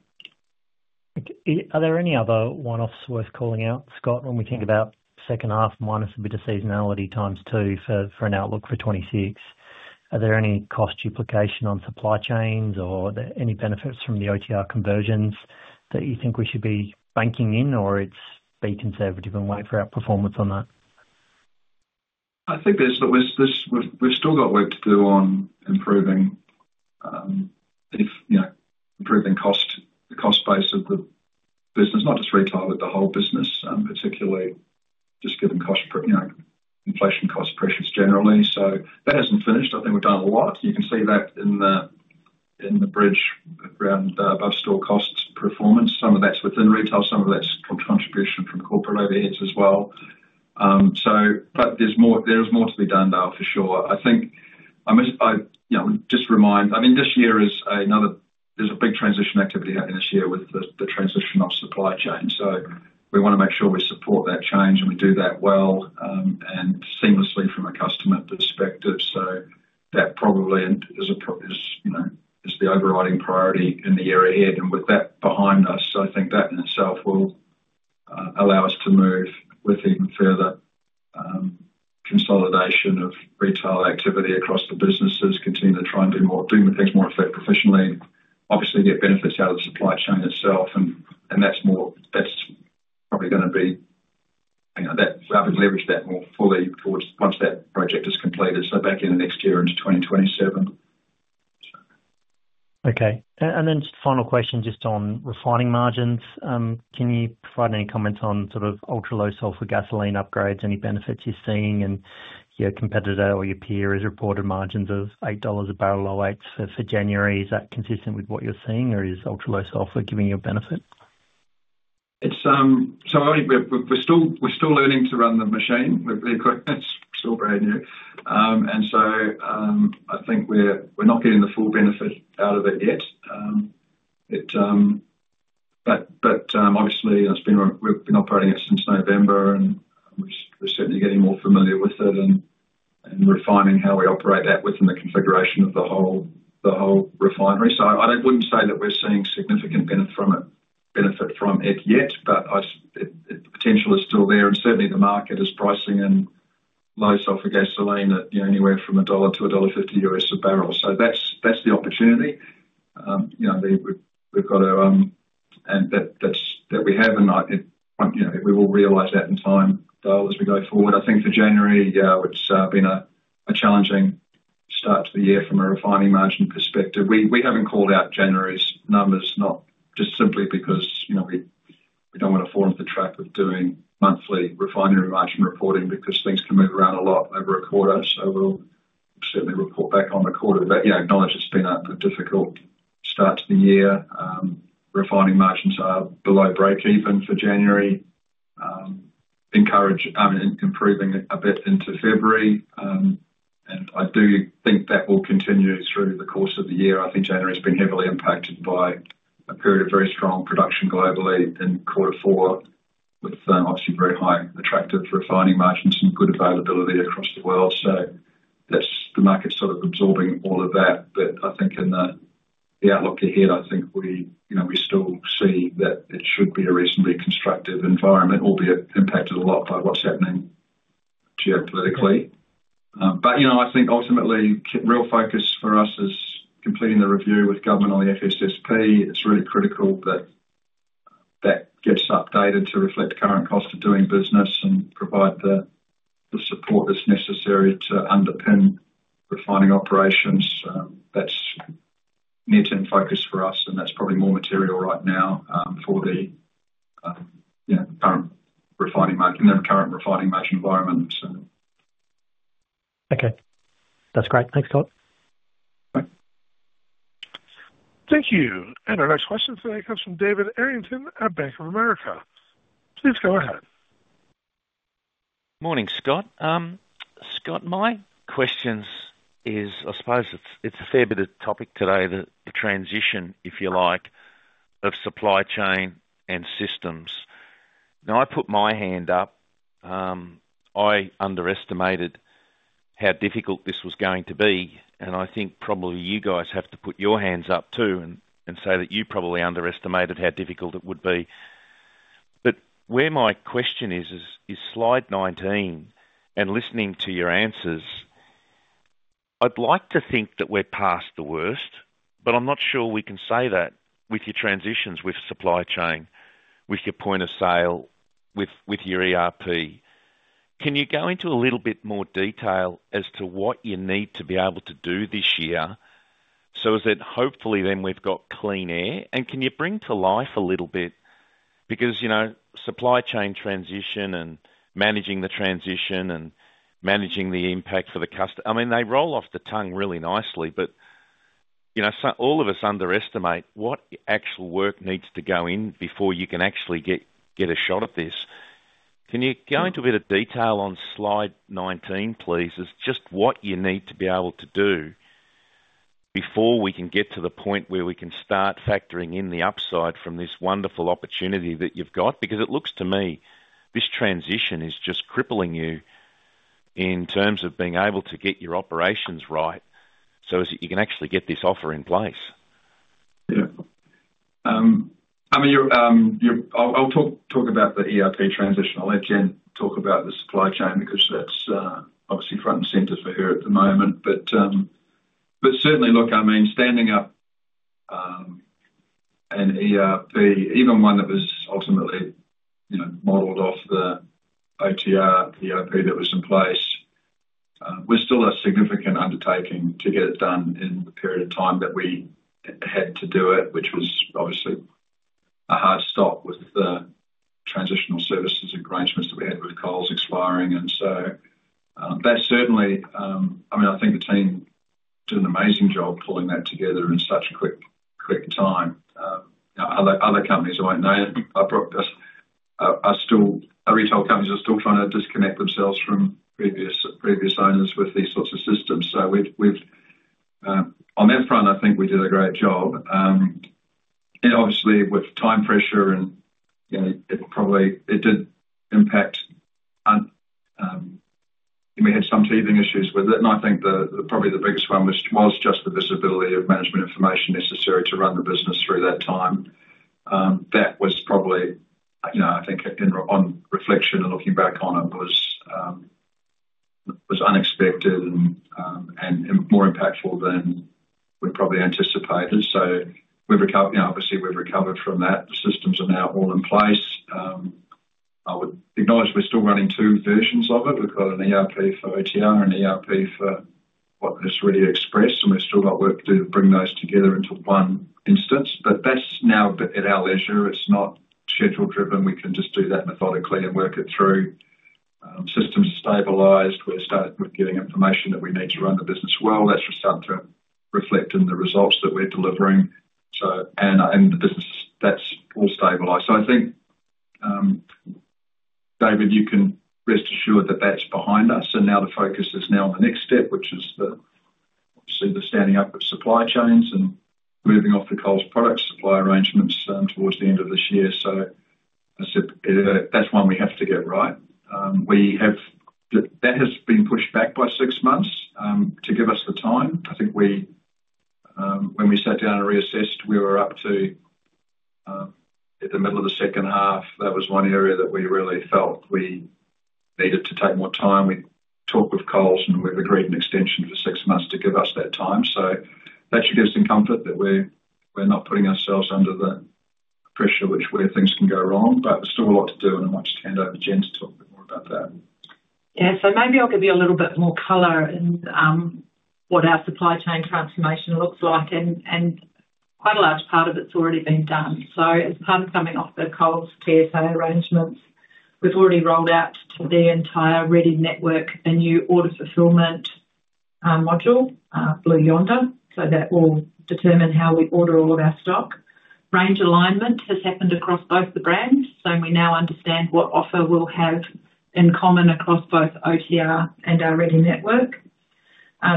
Are there any other one-offs worth calling out, Scott, when we think about second half minus a bit of seasonality times two for, for an outlook for 2026? Are there any cost duplication on supply chains or any benefits from the OTR conversions that you think we should be banking in, or it's be conservative and wait for our performance on that? I think we've still got work to do on improving, if, you know, improving cost, the cost base of the business, not just retail, but the whole business, particularly just given cost, you know, inflation cost pressures generally. That hasn't finished. I think we've done a lot. You can see that in the, in the bridge around above store costs performance. Some of that's within retail, some of that's from contribution from corporate overheads as well. But there's more, there is more to be done, Dale, for sure. I think, you know, just remind, I mean, this year there's a big transition activity happening this year with the, the transition of supply chain. We want to make sure we support that change and we do that well, and seamlessly from a customer perspective. That probably is, you know, the overriding priority in the year ahead. With that behind us, I think that in itself will allow us to move with even further consolidation of retail activity across the businesses, continue to try and do more, do things more effectively, obviously get benefits out of the supply chain itself. That's more, that's probably gonna be, you know, that leverage that more fully towards once that project is completed, so back in the next year into 2027. Okay. Just final question, just on refining margins. Can you provide any comments on sort of Ultra-Low Sulfur Gasoline upgrades, any benefits you're seeing and your competitor or your peers reported margins of $8 a barrel, low 8s for January? Is that consistent with what you're seeing, or is Ultra-Low Sulfur giving you a benefit? It's, I think we're, we're still, we're still learning to run the machine. The equipment's still brand new. I think we're, we're not getting the full benefit out of it yet. It, obviously, it's been, we've been operating it since November, and we're, we're certainly getting more familiar with it and, and refining how we operate that within the configuration of the whole, the whole refinery. I, I wouldn't say that we're seeing significant benefit from it, benefit from it yet, but the potential is still there, and certainly the market is pricing in low sulfur gasoline at, you know, anywhere from $1-$1.50 U.S. a barrel. That's, that's the opportunity. You know, we've, we've got a, and that, that's, that we have and I, you know, we will realize that in time, though, as we go forward. I think for January, yeah, it's been a challenging start to the year from a refining margin perspective. We, we haven't called out January's numbers, not just simply because, you know, we, we don't want to fall into the trap of doing monthly refinery margin reporting because things can move around a lot over a quarter. We'll certainly report back on the quarter, but, you know, acknowledge it's been a difficult start to the year. Refining margins are below breakeven for January. Encourage improving it a bit into February. I do think that will continue through the course of the year. I think January has been heavily impacted by a period of very strong production globally in quarter four, with obviously very high attractive refining margins and good availability across the world. That's the market sort of absorbing all of that. I think in the, the outlook ahead, I think we, you know, we still see that it should be a reasonably constructive environment, albeit impacted a lot by what's happening geopolitically. I think ultimately, you know, real focus for us is completing the review with government on the FSSP. It's really critical that that gets updated to reflect the current cost of doing business and provide the, the support that's necessary to underpin refining operations. That's near-term focus for us, and that's probably more material right now for the, you know, current refining market and the current refining margin environment. Okay. That's great. Thanks, Scott. Bye. Thank you. Our next question today comes from David Errington at Bank of America. Please go ahead. Morning, Scott. Scott, my questions is, I suppose it's, it's a fair bit of topic today, the, the transition, if you like, of supply chain and systems. I put my hand up, I underestimated how difficult this was going to be, and I think probably you guys have to put your hands up, too, and say that you probably underestimated how difficult it would be. Where my question is, is, is slide 19 and listening to your answers, I'd like to think that we're past the worst, but I'm not sure we can say that with your transitions, with supply chain, with your point of sale, with, with your ERP. Can you go into a little bit more detail as to what you need to be able to do this year? Is it hopefully then we've got clean air, and can you bring to life a little bit? Because, you know, supply chain transition and managing the transition and managing the impact for the customer, I mean, they roll off the tongue really nicely, but, you know, so all of us underestimate what actual work needs to go in before you can actually get, get a shot at this. Can you go into a bit of detail on slide 19, please, as just what you need to be able to do before we can get to the point where we can start factoring in the upside from this wonderful opportunity that you've got? Because it looks to me, this transition is just crippling you in terms of being able to get your operations right, so as you can actually get this offer in place. Yeah. I mean, I'll talk, talk about the ERP transition. I'll let Jen talk about the supply chain, because that's obviously front and center for her at the moment. Certainly, look, I mean, standing up an ERP, even one that was ultimately, you know, modeled off the OTR ERP that was in place, was still a significant undertaking to get it done in the period of time that we had to do it, which was obviously a hard stop with the transitional services arrangements that we had with Coles expiring. That certainly, I mean, I think the team did an amazing job pulling that together in such a quick, quick time. Other, other companies I won't name are pro- are, are still, our retail companies are still trying to disconnect themselves from previous, previous owners with these sorts of systems. We've, we've on that front, I think we did a great job. Then obviously with time pressure and, you know, it probably, it did impact an, we had some teething issues with it. I think the, the probably the biggest one was, was just the visibility of management information necessary to run the business through that time. That was probably, you know, I think in on reflection and looking back on it, was unexpected and, and more impactful than we probably anticipated. We've recovered, you know, obviously, we've recovered from that. The systems are now all in place. I would acknowledge we're still running two versions of it. We've got an ERP for OTR and an ERP for what is Reddy Express, and we've still got work to do to bring those together into one instance, but that's now at our leisure. It's not schedule-driven. We can just do that methodically and work it through. Systems are stabilized. We're starting with getting information that we need to run the business well. That's just starting to reflect in the results that we're delivering. And, and the business, that's all stabilized. I think, David, you can rest assured that that's behind us, and now the focus is now on the next step, which is the, obviously, the standing up of supply chains and moving off the Coles product supply arrangements, towards the end of this year. That's it. That's one we have to get right. We have... That has been pushed back by six months to give us the time. I think we, when we sat down and reassessed, we were up to at the middle of the second half. That was one area that we really felt we needed to take more time. We talked with Coles, and we've agreed an extension for six months to give us that time. That should give us some comfort that we're, we're not putting ourselves under the pressure, which where things can go wrong. There's still a lot to do, and I might just hand over Jen to talk a bit more about that. Yeah. maybe I'll give you a little bit more color in what our supply chain transformation looks like, and, and quite a large part of it's already been done. As part of coming off the Coles PSA arrangements, we've already rolled out to the entire Reddy network, a new order fulfillment module, Blue Yonder, so that will determine how we order all of our stock. Range alignment has happened across both the brands, so we now understand what offer we'll have in common across both OTR and our Reddy network.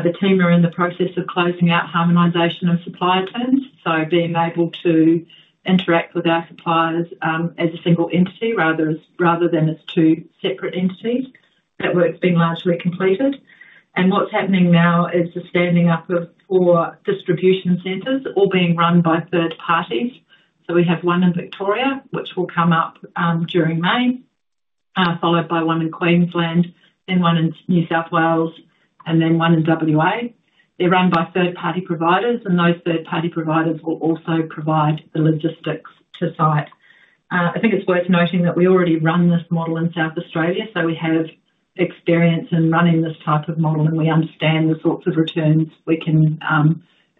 The team are in the process of closing out harmonization of supply chains, so being able to interact with our suppliers, as a single entity, rather, rather than as two separate entities. That work's been largely completed. What's happening now is the standing up of 4 distribution centers, all being run by third parties. We have 1 in Victoria, which will come up during May, followed by 1 in Queensland, then 1 in New South Wales, and then 1 in WA. They're run by third-party providers, and those third-party providers will also provide the logistics to site. I think it's worth noting that we already run this model in South Australia, so we have experience in running this type of model, and we understand the sorts of returns we can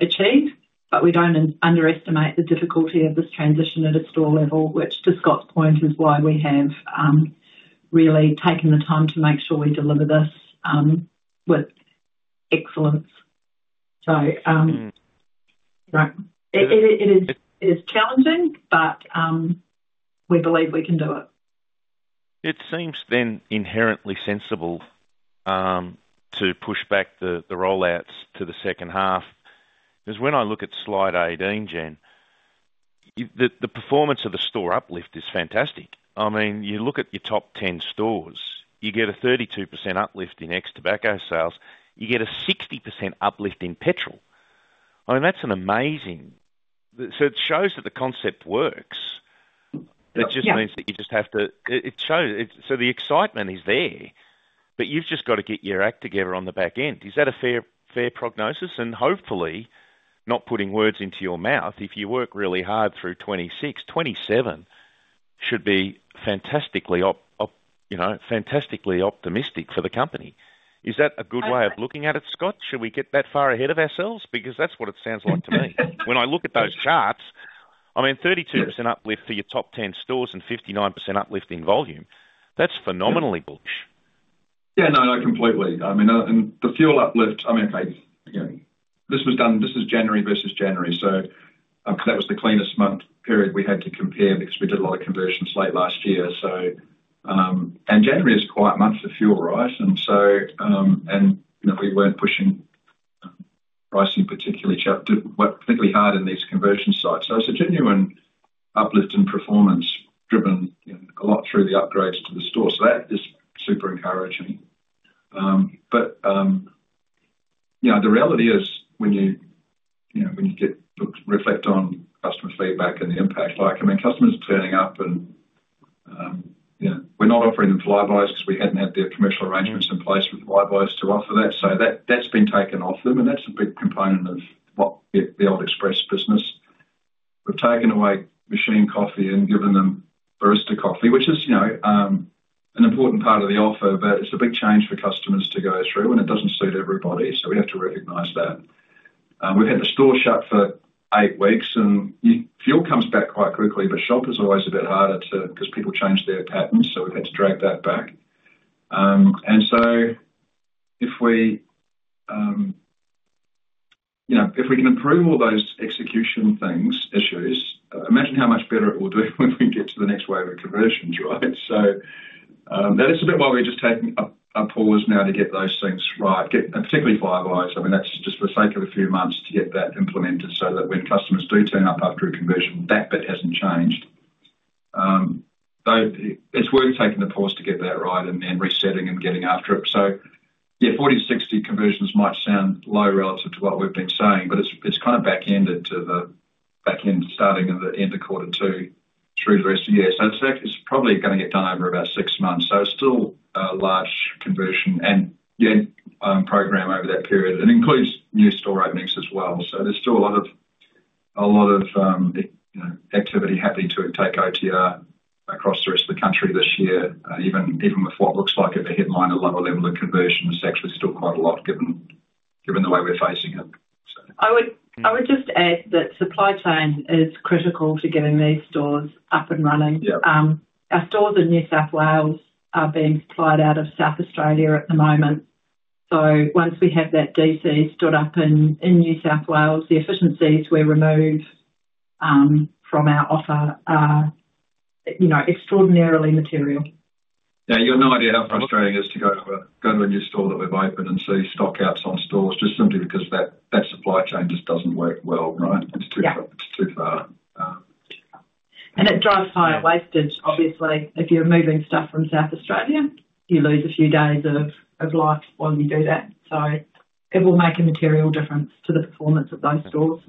achieve, but we don't un-underestimate the difficulty of this transition at a store level, which, to Scott's point, is why we have really taken the time to make sure we deliver this with excellence. Mm. Right. It, it, it is, it is challenging, but we believe we can do it. It seems then inherently sensible to push back the rollouts to the second half. When I look at slide 18, Jen, the performance of the store uplift is fantastic. I mean, you look at your top 10 stores, you get a 32% uplift in ex tobacco sales. You get a 60% uplift in petrol. I mean, that's an amazing. It shows that the concept works. Yeah. It just means that you just have to. It shows. The excitement is there, but you've just got to get your act together on the back end. Is that a fair, fair prognosis? Hopefully, not putting words into your mouth, if you work really hard through 2026, 2027 should be fantastically, you know, fantastically optimistic for the company. I- Is that a good way of looking at it, Scott? Should we get that far ahead of ourselves? That's what it sounds like to me. When I look at those charts, I mean, 32%... Yeah. uplift for your top 10 stores and 59% uplift in volume, that's phenomenally bullish. Yeah, no, no, completely. I mean, and the fuel uplift, I mean, okay, you know, this is January versus January, so that was the cleanest month period we had to compare because we did a lot of conversions late last year. January is quite a month for fuel rise, and so, you know, we weren't pushing pricing particularly to work particularly hard in these conversion sites. It's a genuine uplift in performance, driven, you know, a lot through the upgrades to the store. That is super encouraging. You know, the reality is, when you, you know, when you get to reflect on customer feedback and the impact, like, I mean, customers are turning up and, you know, we're not offering them Flybuys because we hadn't had their commercial arrangements in place with Flybuys to offer that. That, that's been taken off them, and that's a big component of what the, the old Express business. We've taken away machine coffee and given them barista coffee, which is, you know, an important part of the offer, but it's a big change for customers to go through, and it doesn't suit everybody, so we have to recognize that. We've had the store shut for 8 weeks, and fuel comes back quite quickly, but shop is always a bit harder to... 'cause people change their patterns, so we've had to drag that back. If we, you know, if we can improve all those execution things, issues, imagine how much better it will do when we get to the next wave of conversions, right? That is a bit why we're just taking a, a pause now to get those things right, get, and particularly Flybuys. I mean, that's just for the sake of a few months to get that implemented so that when customers do turn up after a conversion, that bit hasn't changed. It's worth taking the pause to get that right and, and resetting and getting after it. Yeah, 40-60 conversions might sound low relative to what we've been saying, but it's, it's kind of backended to the back end, starting of the end of quarter two through the rest of the year. It's it's probably gonna get done over about six months. It's still a large conversion and, yeah, program over that period. It includes new store openings as well. There's still a lot of, a lot of, you know, activity happening to take OTR across the rest of the country this year. Even, even with what looks like at the headline, a lower level of conversion, it's actually still quite a lot, given, given the way we're facing it. I would, I would just add that supply chain is critical to getting these stores up and running. Yeah. Our stores in New South Wales are being supplied out of South Australia at the moment. Once we have that DC stood up in, in New South Wales, the efficiencies we remove from our offer are, you know, extraordinarily material. Yeah, you have no idea how frustrating it is to go to a, go to a new store that we've opened and see stockouts on stores just simply because that, that supply chain just doesn't work well, right? Yeah. It's too, it's too far. It drives higher wastage. Yeah. Obviously, if you're moving stuff from South Australia, you lose a few days of life while you do that. It will make a material difference to the performance of those stores.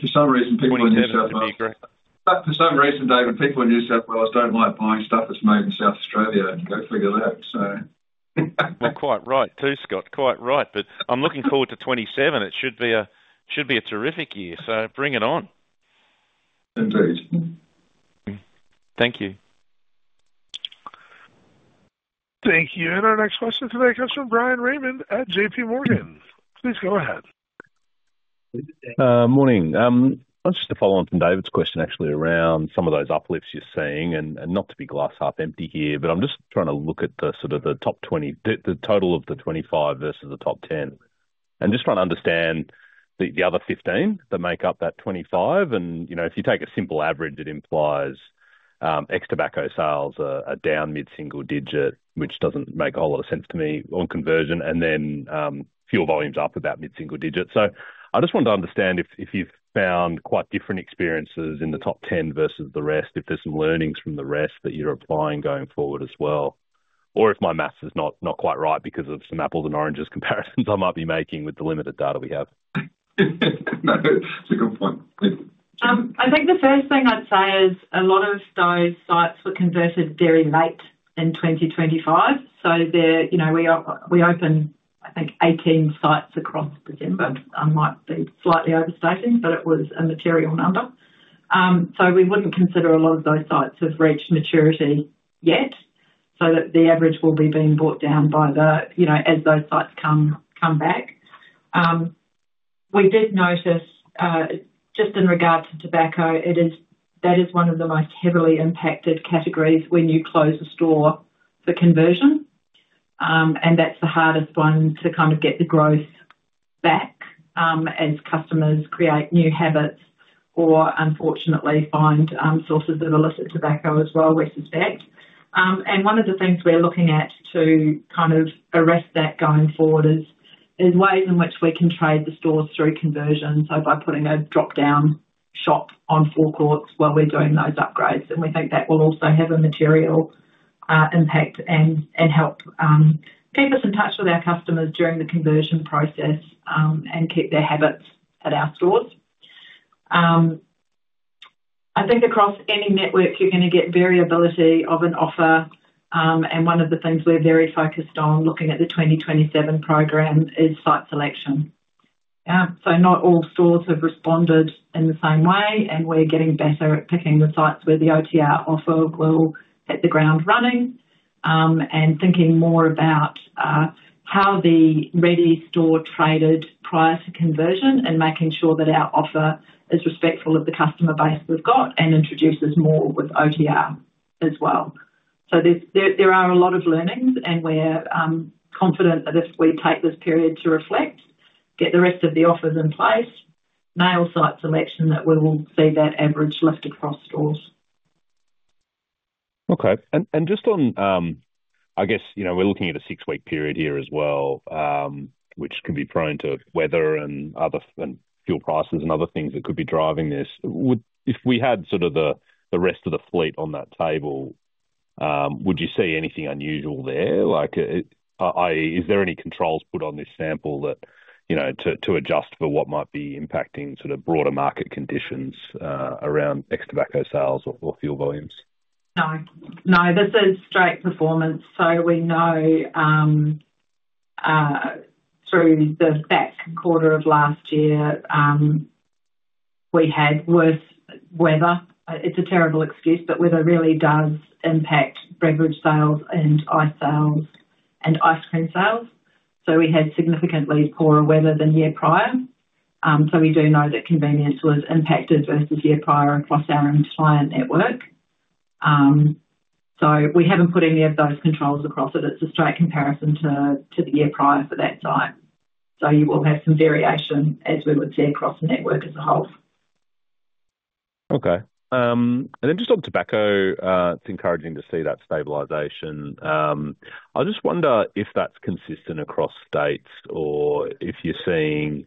For some reason, people in New South Wales- 2027 would be great. For some reason, David, people in New South Wales don't like buying stuff that's made in South Australia. Go figure that, so. Quite right, too, Scott. Quite right. I'm looking forward to 2027. It should be a terrific year, bring it on. Indeed. Thank you. Thank you. Our next question today comes from Bryan Raymond at J.P. Morgan. Please go ahead.... morning. I just to follow on from David's question actually around some of those uplifts you're seeing, and not to be glass half empty here, but I'm just trying to look at the sort of the top 20, the total of the 25 versus the top 10. Just trying to understand the other 15 that make up that 25. You know, if you take a simple average, it implies ex tobacco sales are down mid-single digit, which doesn't make a whole lot of sense to me on conversion, and then fuel volumes up about mid-single digits. I just wanted to understand if, if you've found quite different experiences in the top 10 versus the rest, if there's some learnings from the rest that you're applying going forward as well, or if my math is not, not quite right because of some apples and oranges comparisons I might be making with the limited data we have. No, it's a good point. Please. I think the first thing I'd say is a lot of those sites were converted very late in 2025, so they're, you know, we are-- we opened, I think, 18 sites across December. I might be slightly overstating, but it was a material number. We wouldn't consider a lot of those sites have reached maturity yet, so the average will be being brought down by the, you know, as those sites come, come back. We did notice, just in regards to tobacco, it is-- that is one of the most heavily impacted categories when you close a store for conversion. That's the hardest one to kind of get the growth back, as customers create new habits or unfortunately find, sources of illicit tobacco as well, we suspect. One of the things we're looking at to kind of arrest that going forward is, is ways in which we can trade the stores through conversion. By putting a drop-down shop on forecourts while we're doing those upgrades, and we think that will also have a material impact and help keep us in touch with our customers during the conversion process and keep their habits at our stores. I think across any network, you're gonna get variability of an offer, and one of the things we're very focused on looking at the 2027 program is site selection. Not all stores have responded in the same way, and we're getting better at picking the sites where the OTR offer will hit the ground running. Thinking more about how the Reddy Express store traded prior to conversion and making sure that our offer is respectful of the customer base we've got and introduces more with OTR as well. There's, there, there are a lot of learnings, and we're confident that if we take this period to reflect, get the rest of the offers in place, nail site selection, that we will see that average lift across stores. Okay. Just on, I guess, you know, we're looking at a 6-week period here as well, which can be prone to weather and other and fuel prices and other things that could be driving this. If we had sort of the, the rest of the fleet on that table, would you see anything unusual there? Like, i.e., is there any controls put on this sample that, you know, to, to adjust for what might be impacting sort of broader market conditions, around ex tobacco sales or, or fuel volumes? No. No, this is straight performance, so we know through the back quarter of last year, we had worse weather. It's a terrible excuse, but weather really does impact beverage sales and ice sales and ice cream sales. We had significantly poorer weather than the year prior. We do know that convenience was impacted versus the year prior across our entire network. We haven't put any of those controls across it. It's a straight comparison to, to the year prior for that site. You will have some variation as we would see across the network as a whole. Okay. Then just on tobacco, it's encouraging to see that stabilization. I just wonder if that's consistent across states or if you're seeing,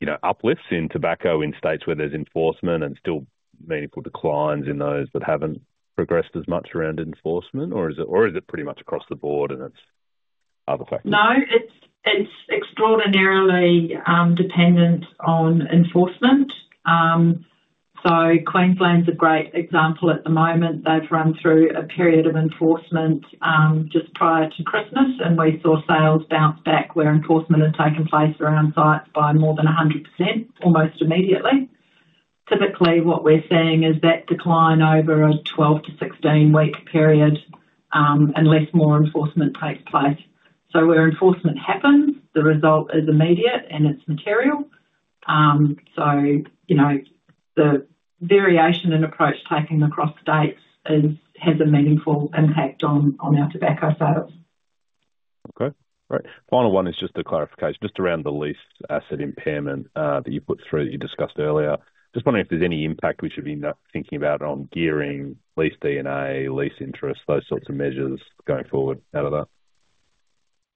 you know, uplifts in tobacco in states where there's enforcement and still meaningful declines in those that haven't progressed as much around enforcement. Is it, or is it pretty much across the board and it's other factors? No, it's, it's extraordinarily, dependent on enforcement. Queensland's a great example at the moment. They've run through a period of enforcement, just prior to Christmas, and we saw sales bounce back where enforcement has taken place around sites by more than 100% almost immediately. Typically, what we're seeing is that decline over a 12-16 week period, unless more enforcement takes place. Where enforcement happens, the result is immediate and it's material. You know, the variation in approach taken across states has a meaningful impact on, on our tobacco sales. Okay. Great. Final one is just a clarification just around the lease asset impairment, that you put through, that you discussed earlier. Just wondering if there's any impact we should be now thinking about on gearing, lease D&A, lease interest, those sorts of measures going forward out of that?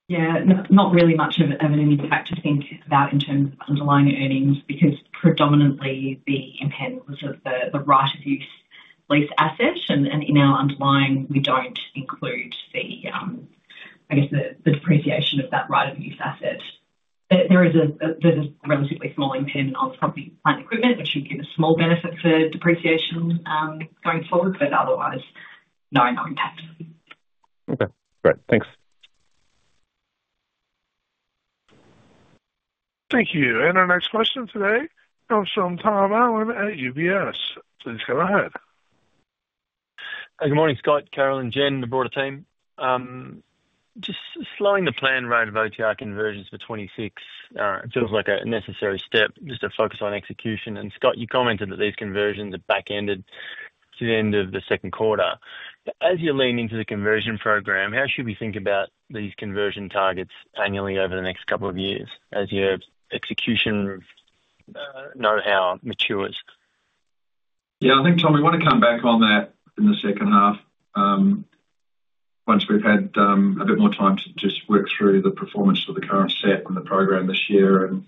Yeah. Not, not really much of an impact to think about in terms of underlying earnings, because predominantly the impairment was of the right-of-use lease asset, and in our underlying, we don't include the, I guess, the depreciation of that right-of-use asset. There's a relatively small impairment of property plant equipment, which should give a small benefit for depreciation going forward. Otherwise, no, no impact. Okay, great. Thanks. Thank you. Our next question today comes from Tom Allen at UBS. Please go ahead. Hey, good morning, Scott, Carolyn, Jen, the broader team. Just slowing the plan rate of OTR conversions for 2026, it feels like a necessary step just to focus on execution. Scott, you commented that these conversions are backended to the end of the second quarter. As you lean into the conversion program, how should we think about these conversion targets annually over the next couple of years as your execution of know-how matures? Yeah, I think, Tom, we want to come back on that in the second half, once we've had a bit more time to just work through the performance of the current set and the program this year and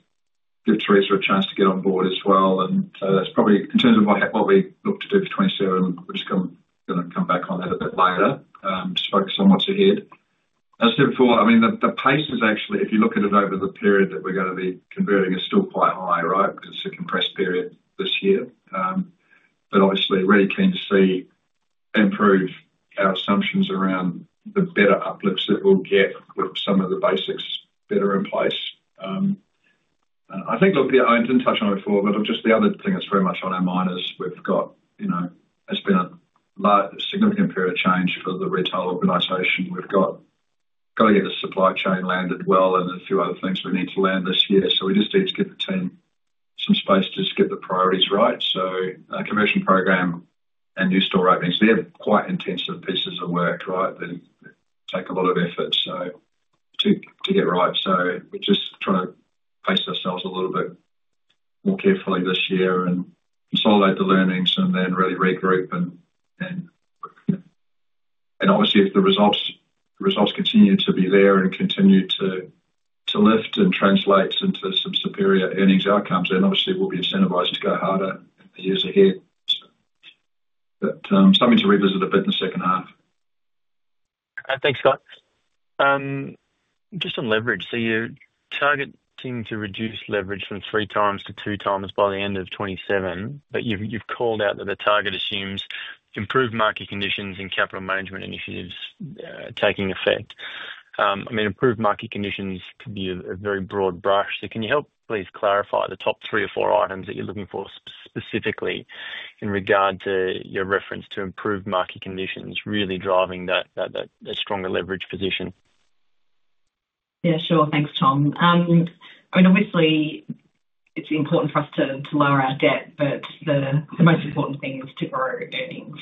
give Teresa a chance to get on board as well. So that's probably in terms of what we look to do for 2027, we're just gonna come back on that a bit later, just focus on what's ahead. As I said before, I mean, the, the pace is actually, if you look at it over the period that we're gonna be converting, is still quite high, right? Because it's a compressed period this year. Obviously really keen to see improve our assumptions around the better uplifts that we'll get with some of the basics better in place. I think, look, yeah, I didn't touch on it before, but look, just the other thing that's very much on our mind is we've got, you know, it's been a large, significant period of change for the retail organization. We've got, gotta get the supply chain landed well and a few other things we need to land this year. We just need to give the team some space to just get the priorities right. A conversion program and new store openings, they're quite intensive pieces of work, right? They take a lot of effort, so to, to get right. We're just trying to pace ourselves a little bit more carefully this year and consolidate the learnings and then really regroup and, and obviously, if the results continue to be there and continue to lift and translate into some superior earnings outcomes, then obviously we'll be incentivized to go harder in the years ahead. Something to revisit a bit in the second half. Thanks, Scott. Just on leverage. You're targeting to reduce leverage from 3x to 2x by the end of 2027, but you've called out that the target assumes improved market conditions and capital management initiatives taking effect. I mean, improved market conditions can be a very broad brush, so can you help, please clarify the top 3 or 4 items that you're looking for specifically in regard to your reference to improved market conditions really driving that stronger leverage position? Yeah, sure. Thanks, Tom. I mean, obviously, it's important for us to, to lower our debt, but the, the most important thing is to grow earnings.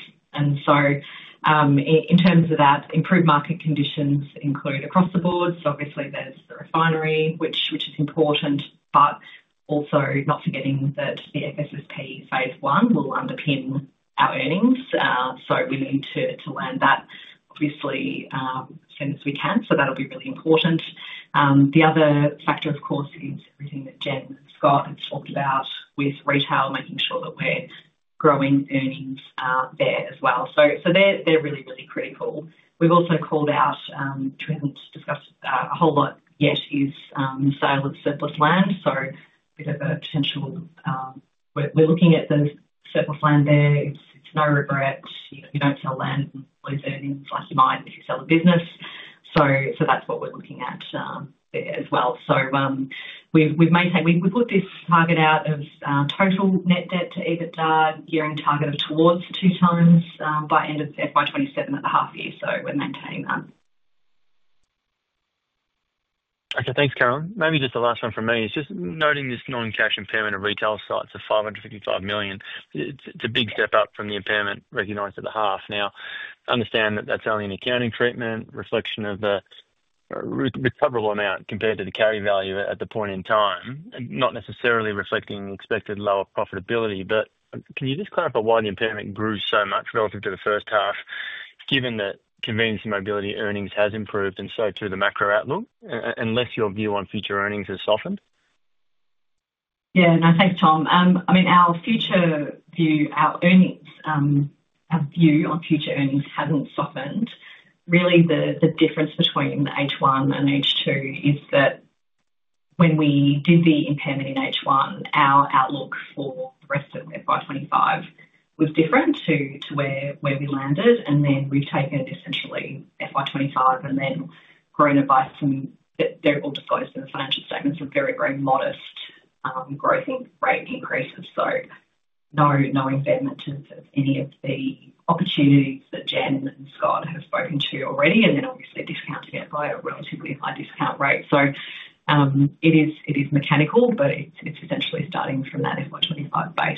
In terms of that, improved market conditions include across the board. Obviously, there's the refinery, which, which is important, but also not forgetting that the FSSP phase one will underpin our earnings. We need to, to land that obviously, as soon as we can. That'll be really important. The other factor, of course, is everything that Jen and Scott have talked about with retail, making sure that we're growing earnings there as well. They're, they're really, really critical. We've also called out, which we haven't discussed a whole lot yet, is the sale of surplus land. Bit of a potential. We're, we're looking at the surplus land there. It's, it's no regret. You know, you don't sell land and lose earnings like you might if you sell the business. So that's what we're looking at there as well. We put this target out of total net debt to EBITDA gearing target of towards 2x by end of FY 2027 at the half year, so we're maintaining that. Okay. Thanks, Carolyn. Maybe just the last one from me. It's just noting this non-cash impairment of retail sites of 555 million. It's a big step up from the impairment recognized at the half. Now, I understand that that's only an accounting treatment, reflection of the re-recoverable amount compared to the carry value at the point in time, and not necessarily reflecting expected lower profitability. Can you just clarify why the impairment grew so much relative to the first half, given that Convenience & Mobility earnings has improved and so too, the macro outlook, unless your view on future earnings has softened? Yeah. No, thanks, Tom. I mean, our future view, our earnings, our view on future earnings hasn't softened. Really, the difference between H1 and H2 is that when we did the impairment in H1, our outlook for the rest of FY 2025 was different to where we landed, and then we've taken essentially FY 2025 and then grown it by some, they're all disclosed in the financial statements, were very, very modest growth in rate increases. No, no impairment to any of the opportunities that Jen and Scott have spoken to already, and then obviously a discount to get by a relatively high discount rate. It is, it is mechanical, but it's essentially starting from that FY 2025 base.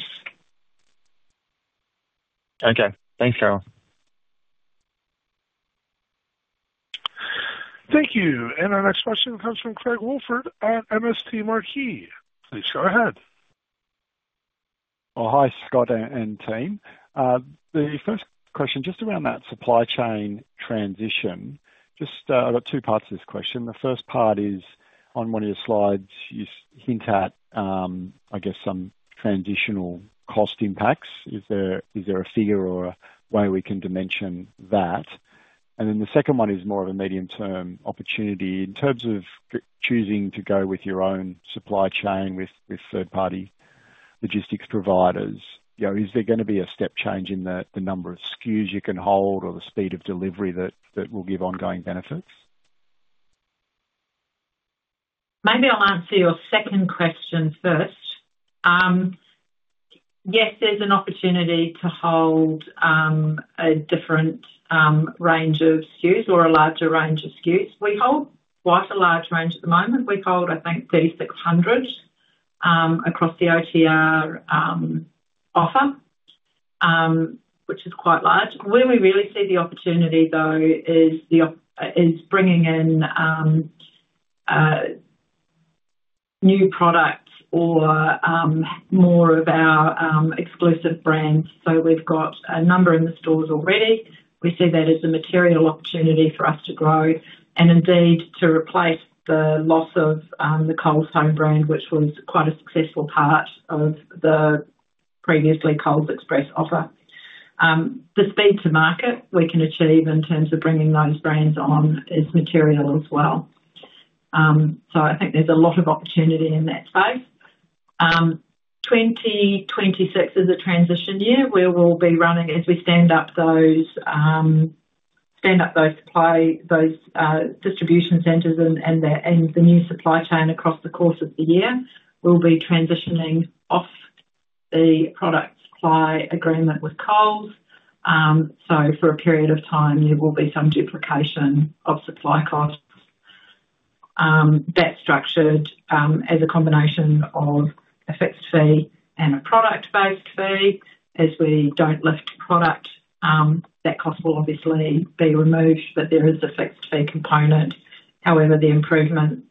Okay. Thanks, Carolyn. Thank you. Our next question comes from Craig Woolford at MST Marquee. Please go ahead. Oh, hi, Scott and, and team. The first question, just around that supply chain transition, I've got two parts to this question. The first part is, on one of your slides, you hint at, I guess some transitional cost impacts. Is there, is there a figure or a way we can dimension that? Then the second one is more of a medium-term opportunity. In terms of choosing to go with your own supply chain with, with third-party logistics providers, you know, is there gonna be a step change in the, the number of SKUs you can hold or the speed of delivery that, that will give ongoing benefits? Maybe I'll answer your second question first. Yes, there's an opportunity to hold a different range of SKUs or a larger range of SKUs. We hold quite a large range at the moment. We hold, I think, 3,600 across the OTR offer, which is quite large. Where we really see the opportunity, though, is bringing in new products or more of our exclusive brands. We've got a number in the stores already. We see that as a material opportunity for us to grow and indeed to replace the loss of the Coles Own Brand, which was quite a successful part of the previously Coles Express offer. The speed to market we can achieve in terms of bringing those brands on is material as well. I think there's a lot of opportunity in that space. 2026 is a transition year where we'll be running as we stand up those, stand up those supply, those, distribution centers and, and the, and the new supply chain across the course of the year. We'll be transitioning off the product supply agreement with Coles. For a period of time there will be some duplication of supply costs. That's structured as a combination of a fixed fee and a product-based fee. As we don't lift product, that cost will obviously be removed, but there is a fixed fee component. However, the improvement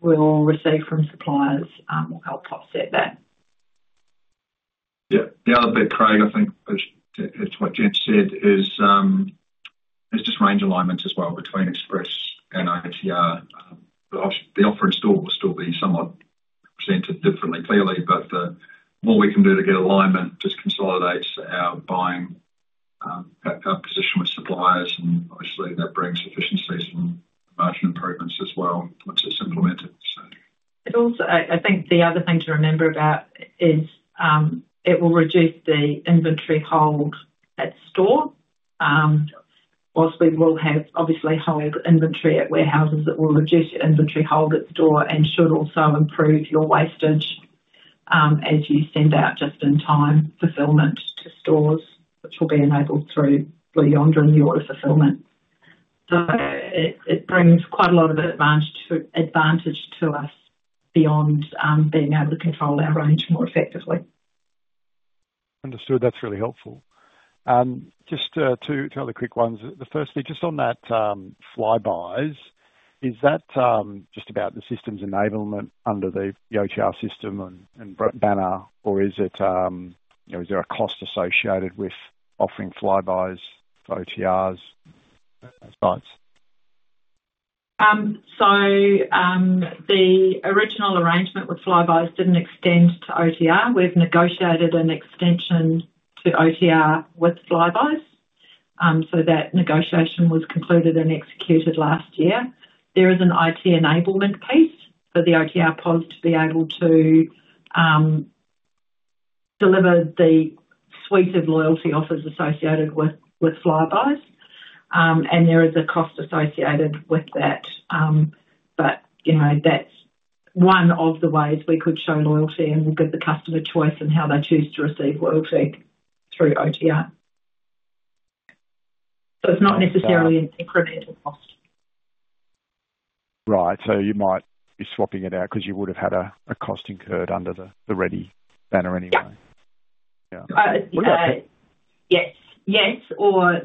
we'll receive from suppliers will help offset that. Yeah. The other bit, Craig, I think, as, as what Jen said, is, there's just range alignments as well between Express and OTR. The offering store will still be somewhat presented differently, clearly, but what we can do to get alignment just consolidates our buying, our, our position with suppliers, and obviously that brings efficiencies and margin improvements as well, once it's implemented. It also, I, I think the other thing to remember about is, it will reduce the inventory hold at store. Whilst we will have obviously higher inventory at warehouses, that will reduce inventory hold at store and should also improve your wastage, as you send out just-in-time fulfillment to stores, which will be enabled through the Blue Yonder and the order fulfillment. It, it brings quite a lot of advantage to, advantage to us beyond, being able to control our range more effectively. Understood. That's really helpful. Just 2, 2 other quick ones. The first is just on that Flybuys. Is that just about the system's enablement under the OTR system and banner? Or is it, you know, is there a cost associated with offering Flybuys to OTR sites? The original arrangement with Flybuys didn't extend to OTR. We've negotiated an extension to OTR with Flybuys, so that negotiation was concluded and executed last year. There is an IT enablement piece for the OTR pod to be able to deliver the suite of loyalty offers associated with, with Flybuys. There is a cost associated with that. You know, that's one of the ways we could show loyalty and give the customer choice in how they choose to receive loyalty through OTR. It's not necessarily an incremental cost. Right. You might be swapping it out because you would have had a, a cost incurred under the Reddy banner anyway? Yeah. Yeah. Yeah. Yes. Yes.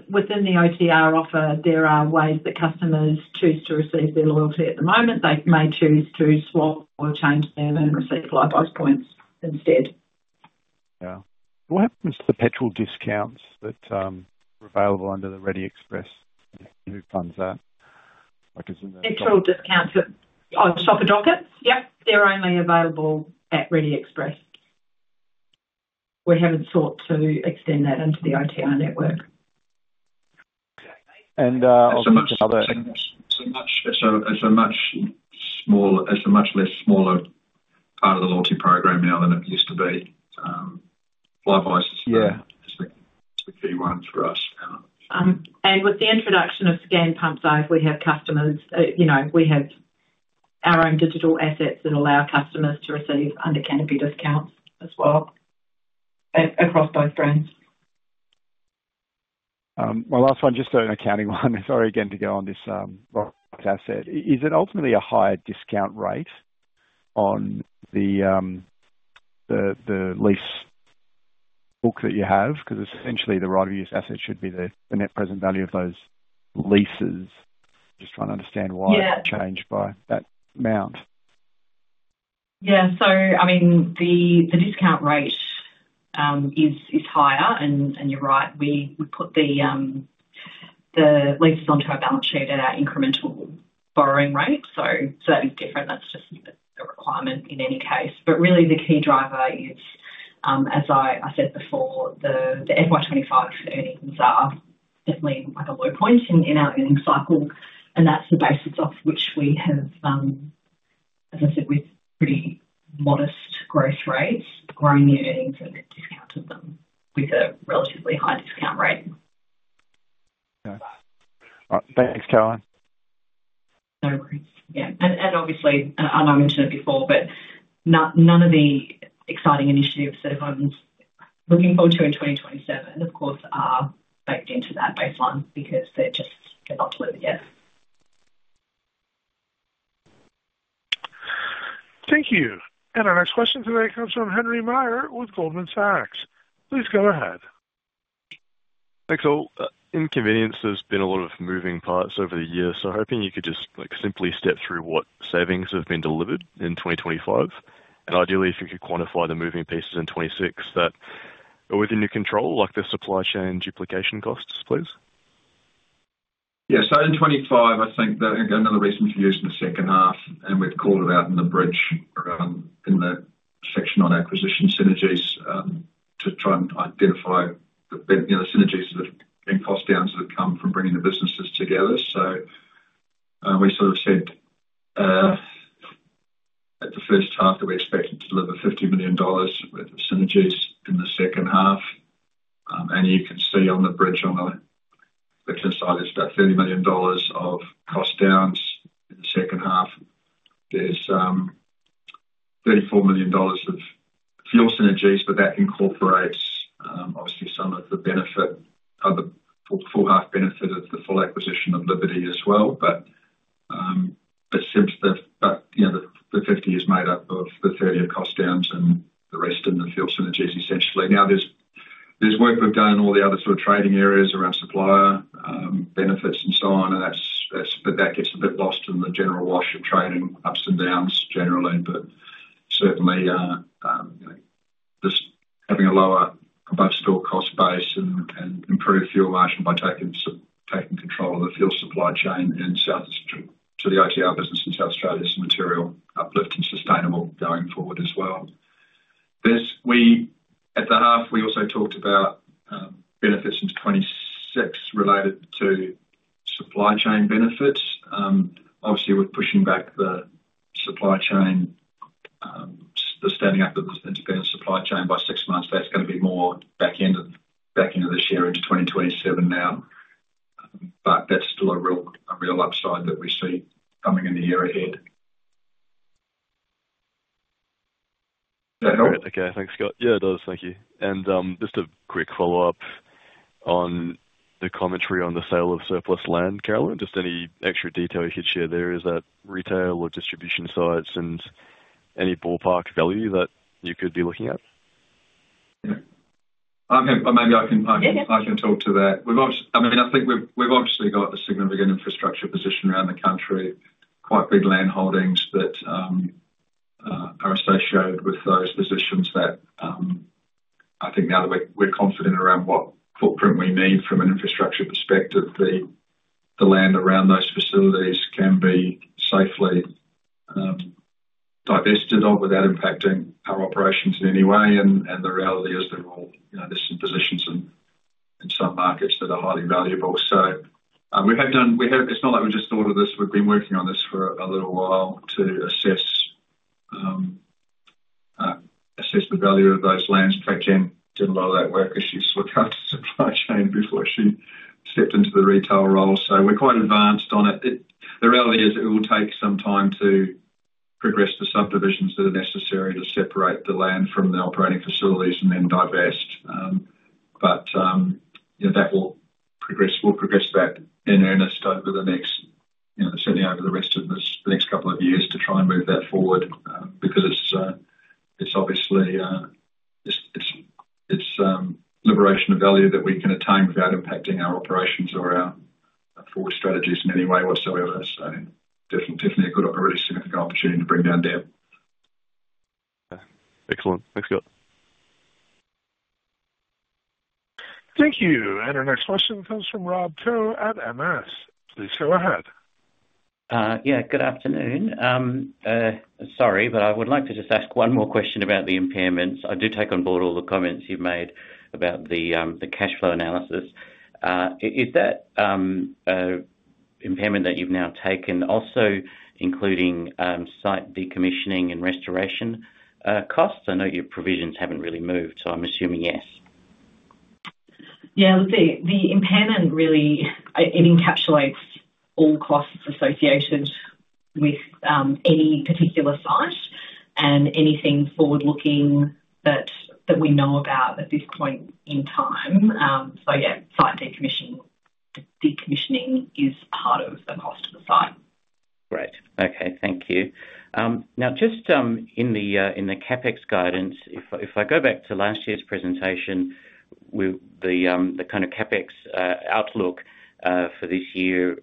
Within the OTR offer, there are ways that customers choose to receive their loyalty at the moment. They may choose to swap or change them and receive Flybuys points instead. Yeah. What happens to the petrol discounts that were available under the Reddy Express? Who funds that? Like. Petrol discounts at, on shopper dockets? Yep, they're only available at Reddy Express. We haven't sought to extend that into the OTR network. on some other- It's a much less smaller part of the loyalty program now than it used to be. Flybuys is- Yeah... is the, is the key one for us now. With the introduction of Scan Pump Save, we have customers, you know, we have our own digital assets that allow customers to receive under canopy discounts as well, across both brands. My last one, just an accounting one. Sorry again to go on this, right-of-use asset. Is it ultimately a higher discount rate on the, the, the lease book that you have? Because essentially, the right-of-use asset should be the, the net present value of those leases. Just trying to understand why. Yeah it changed by that amount. Yeah. I mean, the discount rate is higher, and you're right, we put the leases onto our balance sheet at our incremental borrowing rate. Certainly different, that's just a requirement in any case. Really the key driver is, as I said before, the FY 2025 earnings are definitely like a low point in our earnings cycle, and that's the basis off which we have, as I said, with pretty modest growth rates, growing the earnings and discounted them with a relatively high discount rate. Okay. All right, thanks, Carolyn. No worries. Yeah, and obviously, I know I mentioned it before, but none of the exciting initiatives that I'm looking forward to in 2027, of course, are baked into that baseline because they're just about to deliver, yeah. Thank you. Our next question today comes from Henry Meyers with Goldman Sachs. Please go ahead. Thanks, all. In convenience, there's been a lot of moving parts over the years, so I'm hoping you could just, like, simply step through what savings have been delivered in 2025. Ideally, if you could quantify the moving pieces in 2026 that are within your control, like the supply chain duplication costs, please. In 2025, I think that again, another recent use in the second half, and we've called it out in the bridge, in the section on acquisition synergies, to try and identify the, you know, synergies that and cost downs that come from bringing the businesses together. We sort of said at the first half that we expected to deliver 50 million dollars worth of synergies in the second half. You can see on the bridge on the left-hand side, there's about 30 million dollars of cost downs in the second half. There's 34 million dollars of fuel synergies, but that incorporates obviously some of the benefit of the full half benefit of the full acquisition of Liberty as well. Since the, you know, the 50 is made up of the 30 of cost downs and the rest in the fuel synergies, essentially. There's work we've done, all the other sort of trading areas around supplier benefits and so on, but that gets a bit lost in the general wash of trading ups and downs generally. Certainly, just having a lower above-store cost base and improved fuel margin by taking control of the fuel supply chain to the OTR business in South Australia is material uplift and sustainable going forward as well. At the half, we also talked about benefits in FY 2026 related to supply chain benefits. Obviously, we're pushing back the supply chain, the standing up of the independent supply chain by six months. That's gonna be more back end of, back end of this year into 2027 now. That's still a real, a real upside that we see coming in the year ahead. Great. Okay, thanks, Scott. Yeah, it does. Thank you. Just a quick follow-up on the commentary on the sale of surplus land, Carolyn, just any extra detail you could share there? Is that retail or distribution sites, and any ballpark value that you could be looking at? Yeah. I can. Yeah. I can talk to that. I mean, I think we've, we've obviously got a significant infrastructure position around the country, quite big land holdings that are associated with those positions that, I think now that we're, we're confident around what footprint we need from an infrastructure perspective, the, the land around those facilities can be safely divested of without impacting our operations in any way. The reality is they're all, you know, there's some positions in, in some markets that are highly valuable. It's not like we just thought of this. We've been working on this for a little while to assess the value of those lands. In fact, Jen did a lot of that work as she looked after supply chain before she stepped into the retail role. We're quite advanced on it. The reality is, it will take some time to progress the subdivisions that are necessary to separate the land from the operating facilities and then divest. But, you know, that will progress. We'll progress that in earnest over the next, you know, certainly over the rest of this, the next couple of years to try and move that forward, because it's obviously, it's, it's, it's liberation of value that we can attain without impacting our operations or our forward strategies in any way whatsoever. Definitely, definitely a good opportunity, significant opportunity to bring down debt. Excellent. Thanks, Scott. Thank you. Our next question comes from Rob Koh at MS. Please go ahead. Yeah, good afternoon. Sorry, but I would like to just ask one more question about the impairments. I do take on board all the comments you've made about the cash flow analysis. Is that impairment that you've now taken, also including site decommissioning and restoration costs? I know your provisions haven't really moved, so I'm assuming yes. Yeah, the, the impairment really, it encapsulates all costs associated with any particular site and anything forward-looking that, that we know about at this point in time. Yeah, decommissioning is part of the cost of the site. Great. Okay, thank you. Now, just in the CapEx guidance, if I, if I go back to last year's presentation, with the kind of CapEx outlook for this year,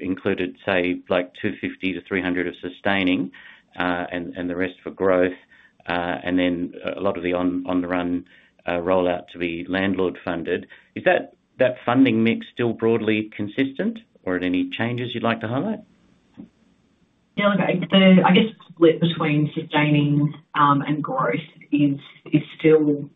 included, say, like 250-300 of sustaining, and, and the rest for growth, and then a lot of the on the run, rollout to be landlord funded, is that, that funding mix still broadly consistent or are there any changes you'd like to highlight? Yeah, look, the, I guess, split between sustaining, and growth is, is still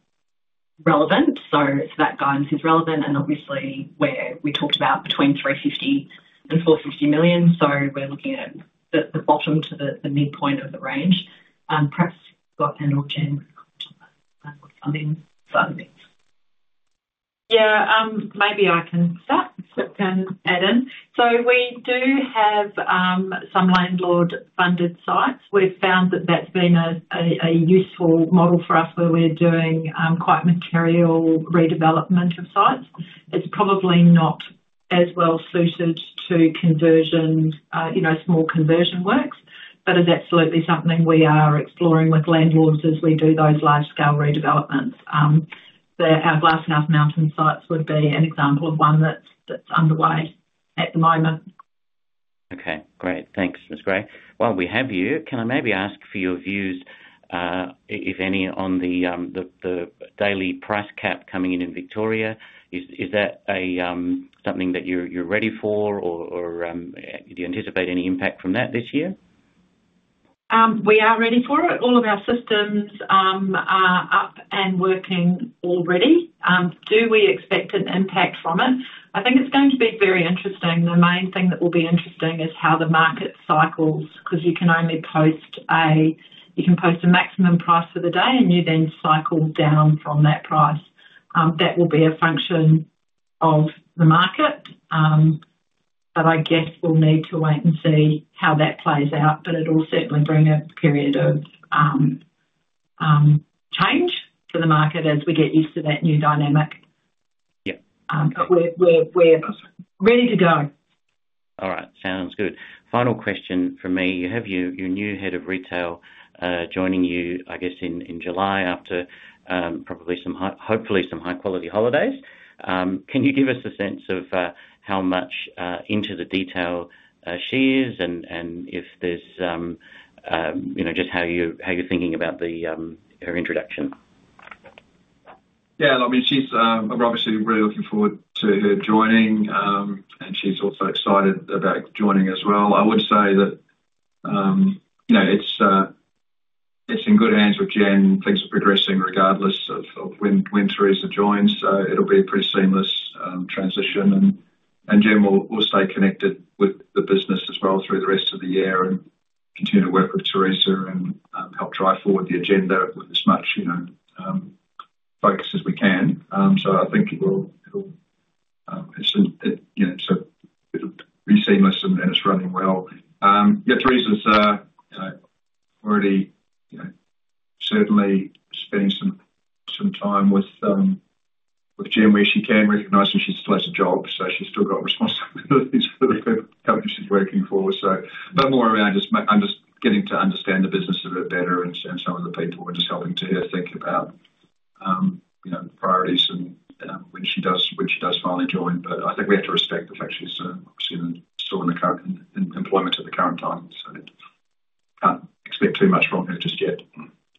relevant, so so that guidance is relevant. Obviously, where we talked about between 350 million and 450 million, so we're looking at the, the bottom to the, the midpoint of the range. Perhaps Scott and or Jen can.... I'll then start next. Yeah, maybe I can start, Scott can add in. We do have some landlord-funded sites. We've found that that's been a, a, a useful model for us where we're doing quite material redevelopment of sites. It's probably not as well suited to conversion, you know, small conversion works, but it's absolutely something we are exploring with landlords as we do those large-scale redevelopments. Our Glass House Mountains sites would be an example of one that's, that's underway at the moment. Okay, great. Thanks, Ms. Gray. While we have you, can I maybe ask for your views, if any, on the daily price cap coming in in Victoria? Is that a something that you're ready for, or do you anticipate any impact from that this year? We are ready for it. All of our systems are up and working already. Do we expect an impact from it? I think it's going to be very interesting. The main thing that will be interesting is how the market cycles, 'cause you can only post a maximum price for the day, and you then cycle down from that price. That will be a function of the market. I guess we'll need to wait and see how that plays out, but it'll certainly bring a period of change to the market as we get used to that new dynamic. Yeah. We're, we're, we're ready to go. All right, sounds good. Final question from me. You have your, your new head of retail, joining you, I guess, in, in July, after, probably some hopefully some high-quality holidays. Can you give us a sense of, how much, into the detail, she is, and, and if there's, you know, just how you, how you're thinking about the, her introduction? Yeah, I mean, she's. We're obviously really looking forward to her joining, and she's also excited about joining as well. I would say that, you know, it's in good hands with Jen. Things are progressing regardless of when Teresa joins, it'll be a pretty seamless transition. Jen will stay connected with the business as well through the rest of the year and continue to work with Teresa and help drive forward the agenda with as much, you know, focus as we can. I think it will, it'll, it, you know, it's a pretty seamless and it's running well. Yeah, Teresa's, you know, already, you know, certainly spending some time with Jen, where she can, recognizing she still has a job, so she's still got responsibilities for the company she's working for. More around just getting to understand the business a bit better and some of the people, and just helping to think about, you know, priorities and, when she does, when she does finally join. I think we have to respect the fact she's obviously still in the current, in employment at the current time, so can't expect too much from her just yet.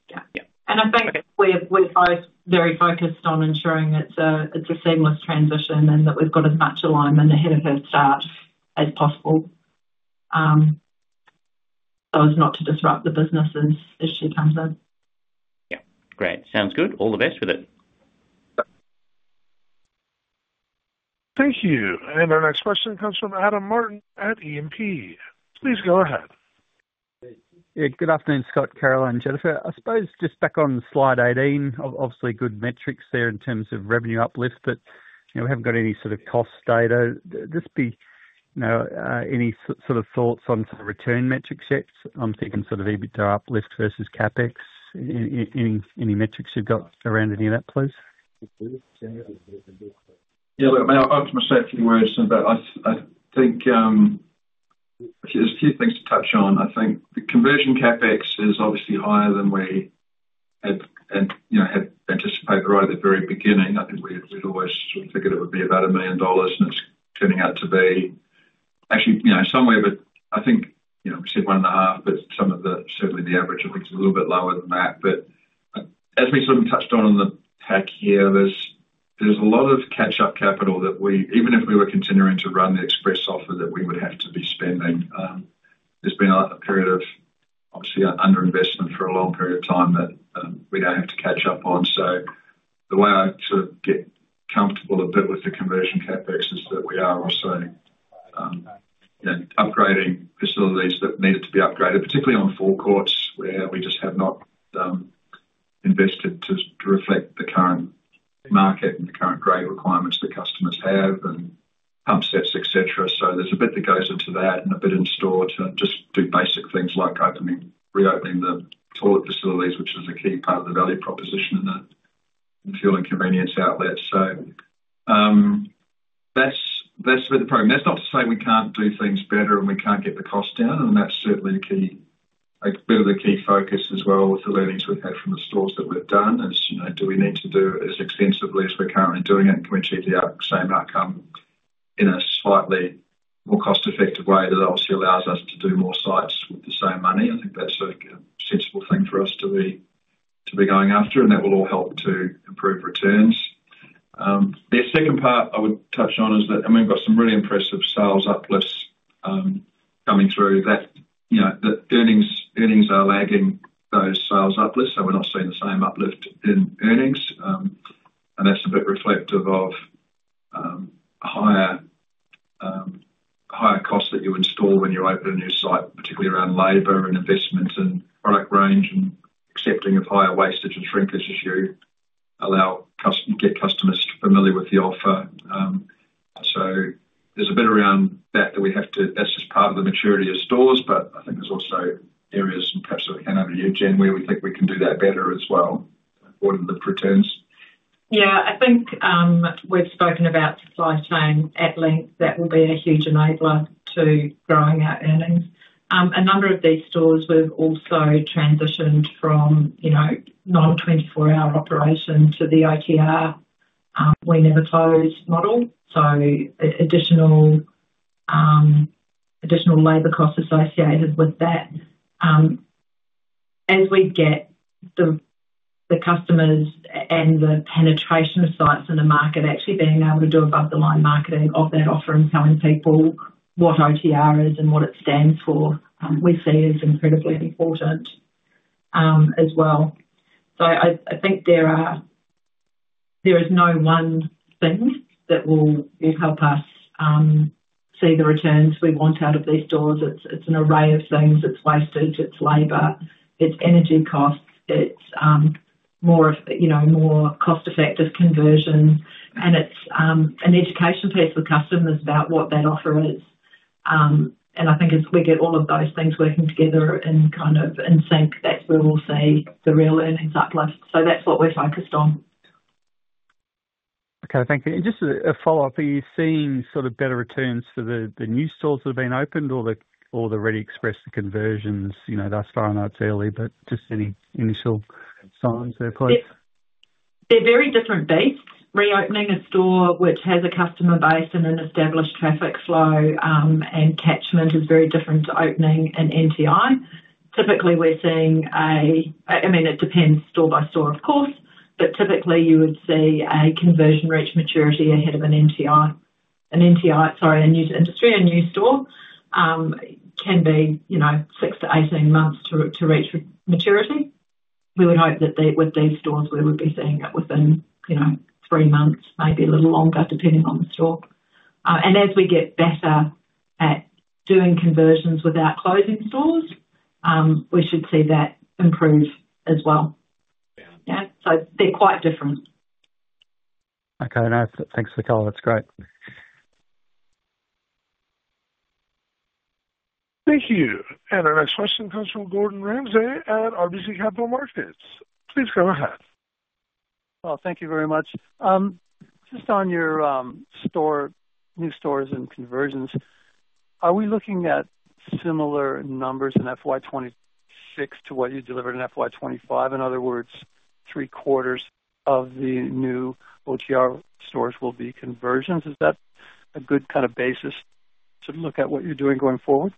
Yeah. Yeah. I think we're, we're both very focused on ensuring it's a, it's a seamless transition, and that we've got as much alignment ahead of her start as possible, so as not to disrupt the business as, as she comes in. Yeah. Great. Sounds good. All the best with it. Thank you. Our next question comes from Adam Martin at E&P. Please go ahead. Yeah, good afternoon, Scott, Carolyn, and Jennifer. I suppose just back on slide 18, obviously good metrics there in terms of revenue uplift, but, you know, we haven't got any sort of cost data. You know, any sort of thoughts on sort of return metric sets? I'm thinking sort of EBITDA uplift versus CapEx. Any, any metrics you've got around any of that, please? Yeah, look, I mean, I'll say a few words, but I, I think, there's a few things to touch on. I think the conversion CapEx is obviously higher than we had, you know, had anticipated right at the very beginning. I think we, we'd always sort of figured it would be about 1 million dollars, and it's turning out to be actually, you know, somewhere, but I think, you know, we said 1.5, but some of the, certainly the average, I think, is a little bit lower than that. As we sort of touched on in the pack here, there's, there's a lot of catch-up capital that even if we were continuing to run the express offer, that we would have to be spending. There's been a period of obviously underinvestment for a long period of time that we now have to catch up on. The way I sort of get comfortable a bit with the conversion CapEx is that we are also, you know, upgrading facilities that needed to be upgraded, particularly on forecourts, where we just have not invested to reflect the current market and the current grade requirements that customers have and pump sets, et cetera. There's a bit that goes into that and a bit in store to just do basic things like opening, reopening the toilet facilities, which is a key part of the value proposition in the fuel and convenience outlets. That's, that's been the program. That's not to say we can't do things better and we can't get the cost down, and that's certainly a key, a bit of a key focus as well with the learnings we've had from the stores that we've done. Is, you know, do we need to do as extensively as we're currently doing it, and can we achieve the same outcome in a slightly more cost-effective way that obviously allows us to do more sites with the same money? I think that's a, a sensible thing for us to be, to be going after, and that will all help to improve returns. The second part I would touch on is that, I mean, we've got some really impressive sales uplifts, coming through that, you know, the earnings, earnings are lagging those sales uplifts, so we're not seeing the same uplift in earnings. That's a bit reflective of, that you install when you open a new site, particularly around labor and investment and product range, and accepting of higher wastage and shrinkage as you allow get customers familiar with the offer. There's a bit around that. That's just part of the maturity of stores, but I think there's also areas, and perhaps I'll hand over to you, Jen, where we think we can do that better as well, important the returns. I think, we've spoken about supply chain at length. That will be a huge enabler to growing our earnings. A number of these stores, we've also transitioned from, you know, non-24-hour operation to the OTR, we never closed model, so a additional, additional labor costs associated with that. As we get the, the customers and the penetration of sites in the market, actually being able to do above the line marketing of that offer and telling people what OTR is and what it stands for, we see is incredibly important, as well. I, I think there is no one thing that will, will help us see the returns we want out of these stores. It's, it's an array of things. It's wastage, it's labor, it's energy costs, it's, you know, more cost-effective conversions, and it's an education piece for customers about what that offer is. I think as we get all of those things working together in kind of in sync, that's where we'll see the real earnings uplift. That's what we're focused on. Okay, thank you. Just a, a follow-up, are you seeing sort of better returns for the, the new stores that have been opened or the, or the Reddy Express conversions? You know, thus far, I know it's early, but just any initial signs there, please? They're very different beasts. Reopening a store which has a customer base and an established traffic flow and catchment is very different to opening an NTI. Typically, we're seeing, I mean, it depends store by store, of course, but typically you would see a conversion reach maturity ahead of an NTI. An NTI, sorry, a new industry, a new store, can be, you know, 6-18 months to reach maturity. We would hope that with these stores, we would be seeing it within, you know, 3 months, maybe a little longer, depending on the store. As we get better at doing conversions without closing stores, we should see that improve as well. Yeah. Yeah. They're quite different. Okay, now, thanks for the color. That's great. Thank you. Our next question comes from Gordon Ramsay at RBC Capital Markets. Please go ahead. Well, thank you very much. Just on your store, new stores and conversions, are we looking at similar numbers in FY 2026 to what you delivered in FY 2025? In other words, three quarters of the new OTR stores will be conversions. Is that a good kind of basis to look at what you're doing going forward?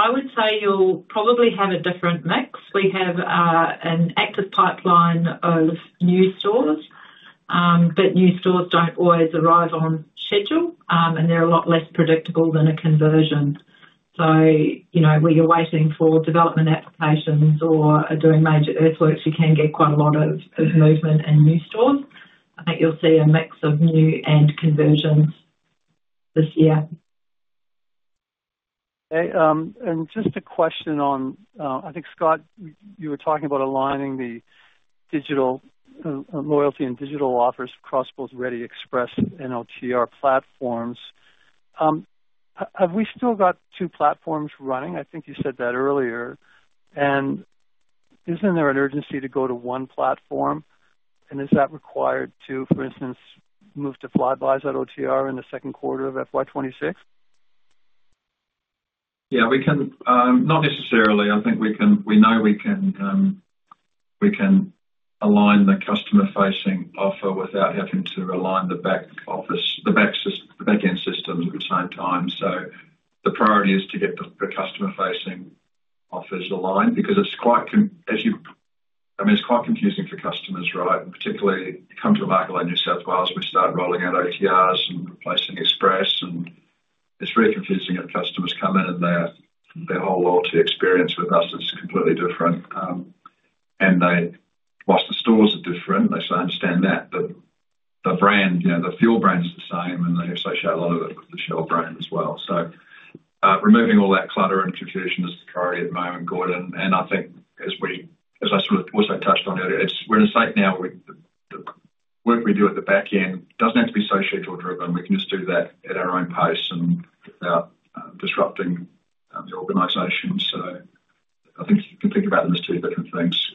I would say you'll probably have a different mix. We have an active pipeline of new stores, but new stores don't always arrive on schedule, and they're a lot less predictable than a conversion. You know, where you're waiting for development applications or are doing major earthworks, you can get quite a lot of movement in new stores. I think you'll see a mix of new and conversions this year. Okay, and just a question on, I think, Scott, you, you were talking about aligning the digital loyalty and digital offers across both Reddy Express and OTR platforms. Have we still got two platforms running? I think you said that earlier. Isn't there an urgency to go to one platform? Is that required to, for instance, move to Flybuys at OTR in the second quarter of FY 2026? Yeah, we can. Not necessarily. I think we know we can align the customer-facing offer without having to align the back office, the back-end systems at the same time. The priority is to get the customer-facing offers aligned because it's quite, as you, I mean, it's quite confusing for customers, right? Particularly, you come to a market like New South Wales, we start rolling out OTRs and replacing Express, and it's very confusing if customers come in and their whole loyalty experience with us is completely different. They, whilst the stores are different, they still understand that, but the brand, you know, the fuel brand is the same, and they associate a lot of it with the Shell brand as well. Removing all that clutter and confusion is the priority at the moment, Gordon. I think as we, as I sort of also touched on earlier, it's, we're in a state now with the, the work we do at the back end doesn't have to be so schedule driven. We can just do that at our own pace and without disrupting the organization. I think you can think about them as two different things.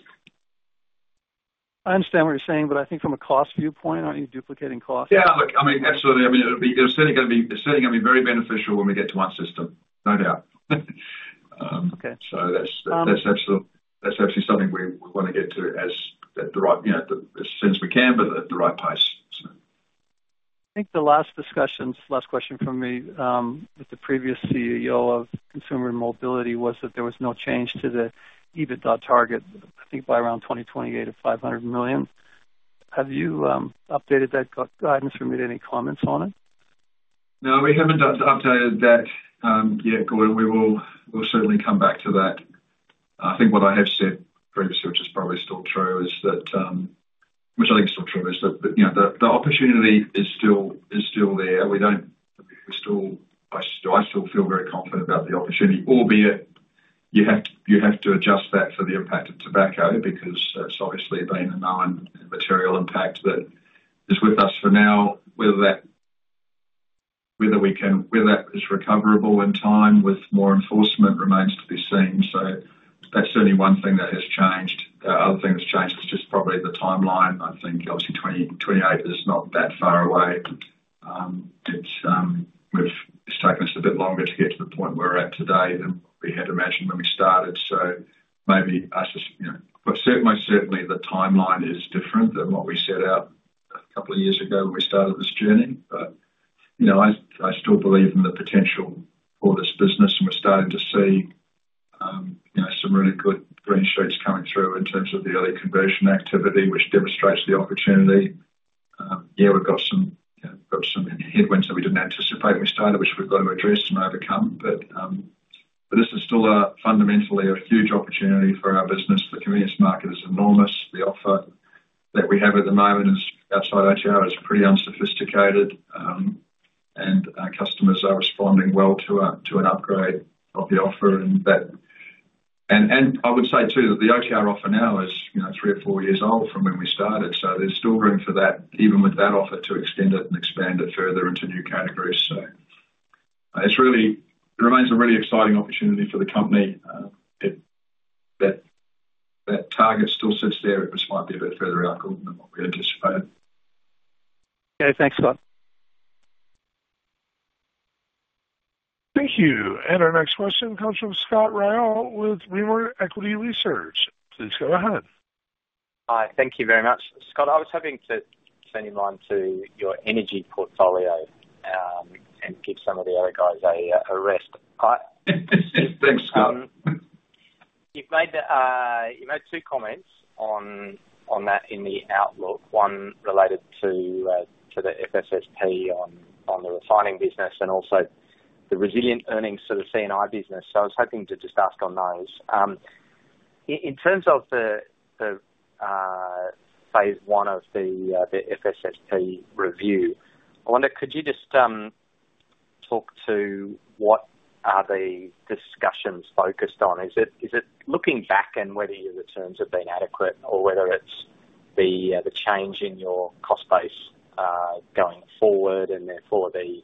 I understand what you're saying, but I think from a cost viewpoint, aren't you duplicating costs? Yeah, look, I mean, absolutely. I mean, it'll be, it's certainly gonna be, it's certainly gonna be very beneficial when we get to one system. No doubt. Okay. That's, that's actually something we, we wanna get to as the right, you know, as soon as we can, but at the right pace. So. I think the last discussions, last question from me, with the previous CEO of Convenience and Mobility, was that there was no change to the EBITDA target, I think by around 2028 of 500 million. Have you updated that guidance or made any comments on it? No, we haven't updated that yet, Gordon. We will, we'll certainly come back to that. I think what I have said previously, which is probably still true, is that, which I think is still true, is that, you know, the, the opportunity is still, is still there. We still, I still, I still feel very confident about the opportunity, albeit you have, you have to adjust that for the impact of tobacco, because it's obviously been a known material impact that is with us for now. Whether that, whether that is recoverable in time with more enforcement remains to be seen. That's certainly one thing that has changed. The other thing that's changed is just probably the timeline. I think obviously 2028 is not that far away. It's taken us a bit longer to get to the point we're at today than we had imagined when we started. Maybe I just, you know, but most certainly, the timeline is different than what we set out a couple of years ago when we started this journey. You know, I, I still believe in the potential for this business, and we're starting to see, you know, some really good green shoots coming through in terms of the early conversion activity, which demonstrates the opportunity. Yeah, we've got some headwinds that we didn't anticipate when we started, which we've got to address and overcome, but this is still a fundamentally a huge opportunity for our business. The convenience market is enormous. The offer that we have at the moment is, outside HR, is pretty unsophisticated, and our customers are responding well to an upgrade of the offer. I would say, too, that the OTR offer now is, you know, three or four years old from when we started, so there's still room for that, even with that offer, to extend it and expand it further into new categories. It remains a really exciting opportunity for the company. That, that target still sits there. It just might be a bit further out than what we anticipated. Okay, thanks, Scott. Thank you. Our next question comes from Scott Ryall with Rimor Equity Research. Please go ahead. Hi, thank you very much. Scott, I was hoping to turn your mind to your energy portfolio, and give some of the other guys a rest. Thanks, Scott. You've made the, you made two comments on, on that in the outlook. One related to the FSSP on, on the refining business and also the resilient earnings to the C&I business. I was hoping to just ask on those. In terms of the, the, phase one of the, the FSSP review, I wonder, could you just, talk to what are the discussions focused on? Is it, is it looking back and whether your returns have been adequate or whether it's the, the change in your cost base, going forward, and therefore the,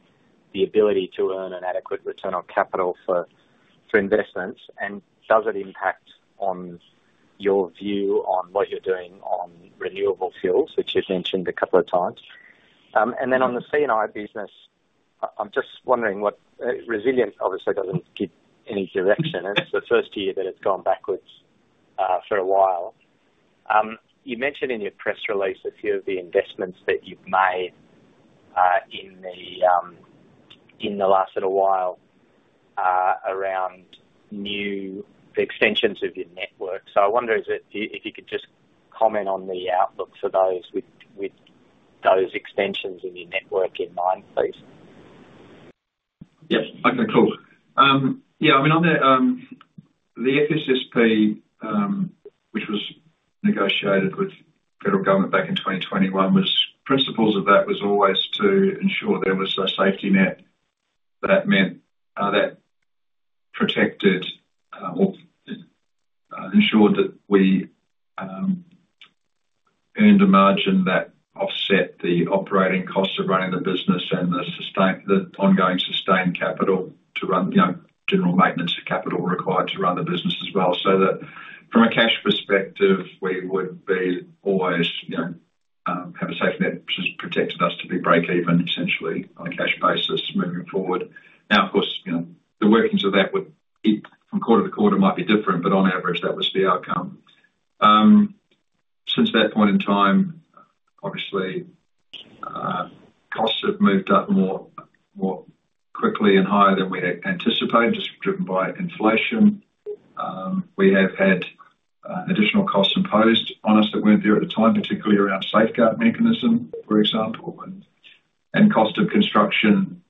the ability to earn an adequate return on capital for, for investments? And does it impact on your view on what you're doing on renewable fuels, which you've mentioned a couple of times? Then on the C&I business, I-I'm just wondering what resilience obviously doesn't give any direction, and it's the first year that it's gone backwards for a while. You mentioned in your press release a few of the investments that you've made in the in the last little while around new extensions of your network. I wonder if, if you could just comment on the outlook for those with, with those extensions in your network in mind, please. Yes. Okay, cool. Yeah, I mean, on the FSSP, which was negotiated with Federal Government back in 2021, was principles of that was always to ensure there was a safety net. That meant that protected or ensured that we earned a margin that offset the operating costs of running the business and the sustain, the ongoing sustained capital to run, you know, general maintenance of capital required to run the business as well. That from a cash perspective, we would be always, you know, have a safety net, which has protected us to be break even, essentially on a cash basis moving forward. Of course, you know, the workings of that would, it from quarter to quarter might be different, but on average, that was the outcome. Since that point in time, obviously, costs have moved up more, more quickly and higher than we had anticipated, just driven by inflation. We have had additional costs imposed on us that weren't there at the time, particularly around Safeguard Mechanism, for example, and cost of construction,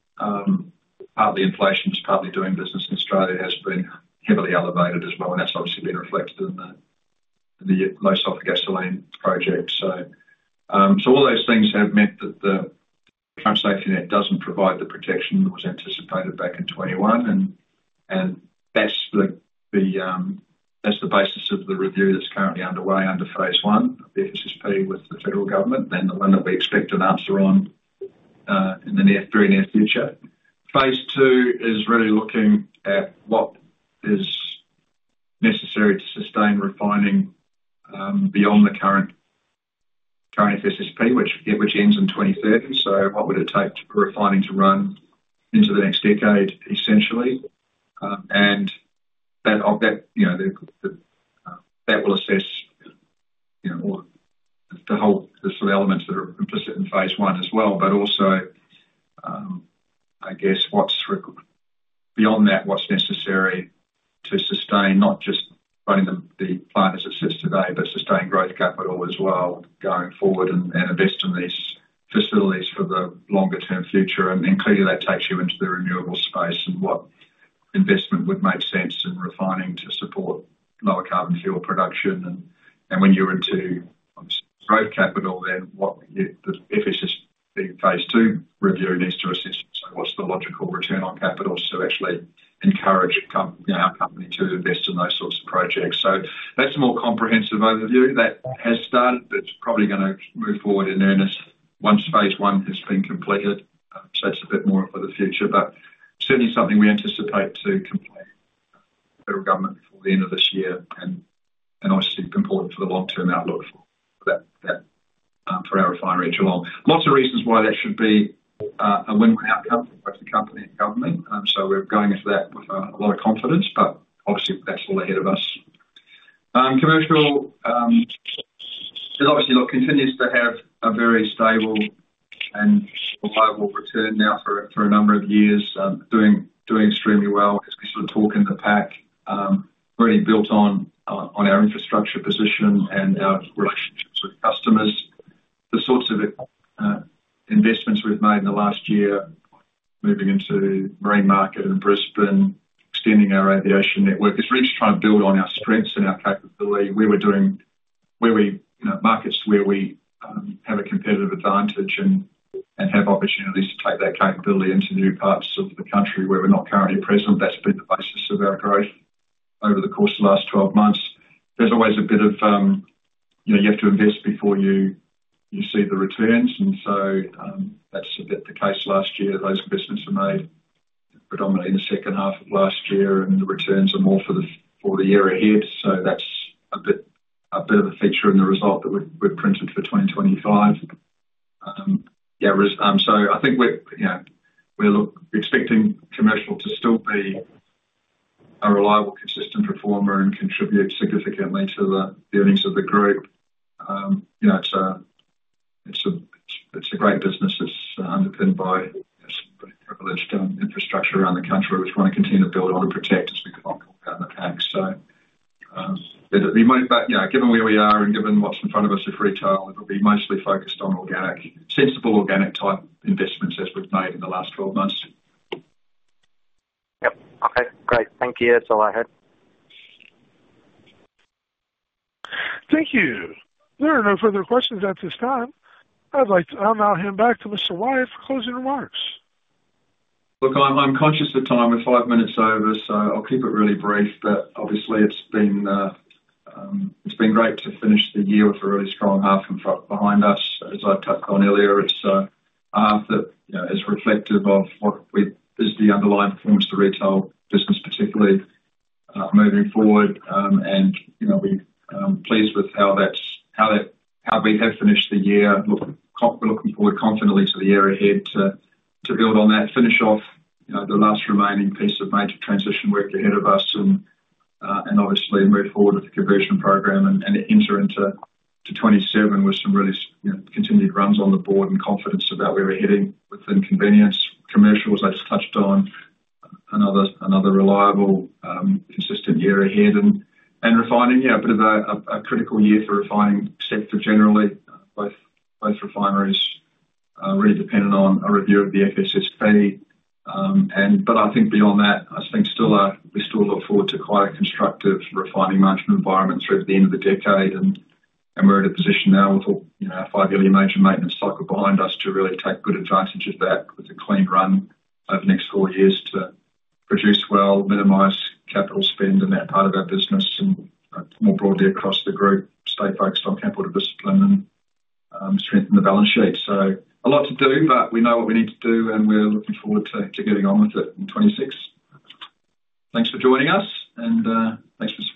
partly inflation, partly doing business in Australia has been heavily elevated as well, and that's obviously been reflected in the low sulfur gasoline project. All those things have meant that the current safety net doesn't provide the protection that was anticipated back in 2021, and that's the basis of the review that's currently underway under phase one of the FSSP with the federal government and the one that we expect an answer on in the near, very near future. Phase two is really looking at what is necessary to sustain refining, beyond the current, current FSSP, which, which ends in 2030. What would it take for refining to run into the next decade, essentially? That of, that, you know, the, the, that will assess, you know, all the whole elements that are implicit in phase one as well, but also, I guess what's beyond that, what's necessary to sustain not just running the, the plant as it sits today, but sustain growth capital as well going forward and, and invest in this facilities for the longer-term future, and, and clearly that takes you into the renewable space and what investment would make sense in refining to support lower carbon fuel production. When you're into growth capital, then what the FSSP phase two review needs to assist. What's the logical return on capital to actually encourage you know, our company to invest in those sorts of projects? That's a more comprehensive overview. That has started, but it's probably going to move forward in earnest once phase I has been completed. That's a bit more for the future, but certainly something we anticipate to complete with the Federal Government before the end of this year, and obviously important for the long-term outlook for that, that, for our refinery at Geelong. Lots of reasons why that should be a win-win outcome for both the company and Government. We're going into that with a lot of confidence, but obviously that's all ahead of us. Commercial, it obviously continues to have a very stable and reliable return now for a number of years. Doing, doing extremely well, as we sort of talk in the pack, really built on our infrastructure position and our relationships with customers. The sorts of investments we've made in the last year, moving into marine market in Brisbane, extending our aviation network. It's really trying to build on our strengths and our capability, where we, you know, markets where we have a competitive advantage and, and have opportunities to take that capability into new parts of the country where we're not currently present. That's been the basis of our growth over the course of the last 12 months. There's always a bit of, you know, you have to invest before you, you see the returns, and so, that's a bit the case last year. Those investments were made predominantly in the second half of last year. The returns are more for the year ahead. That's a bit, a bit of a feature in the result that we've printed for 2025. Yeah, I think we're, you know, expecting commercial to still be a reliable, consistent performer and contribute significantly to the earnings of the group. You know, it's a great business. It's underpinned by a pretty privileged infrastructure around the country, which we want to continue to build on and protect as we look out in the pack. It'll be more, but, you know, given where we are and given what's in front of us with retail, it'll be mostly focused on organic, sensible, organic-type investments as we've made in the last 12 months. Yep. Okay, great. Thank you. That's all I had. Thank you. There are no further questions at this time. I'd like to now hand back to Mr. Wyatt for closing remarks. Look, I'm, I'm conscious of time. We're 5 minutes over, so I'll keep it really brief. Obviously, it's been great to finish the year with a really strong half in front behind us. As I touched on earlier, it's half that, you know, is reflective of what we... is the underlying performance of the retail business, particularly moving forward. You know, we pleased with how that's, how that, how we have finished the year. Looking forward confidently to the year ahead to, to build on that, finish off, you know, the last remaining piece of major transition work ahead of us, and obviously move forward with the conversion program and enter into 2027 with some really, you know, continued runs on the board and confidence about where we're heading within convenience. Commercials, I just touched on, another, another reliable, consistent year ahead. Refining, yeah, a bit of a critical year for refining sector generally. Both, both refineries, really dependent on a review of the FSSP. But I think beyond that, I think still, we still look forward to quite a constructive refining margin environment through the end of the decade, and we're in a position now with a, you know, five-year major maintenance cycle behind us to really take good advantage of that with a clean run over the next four years to produce well, minimize capital spend in that part of our business, and more broadly across the group, stay focused on capital discipline and strengthen the balance sheet. A lot to do, but we know what we need to do. We're looking forward to getting on with it in 2026. Thanks for joining us, thanks for support.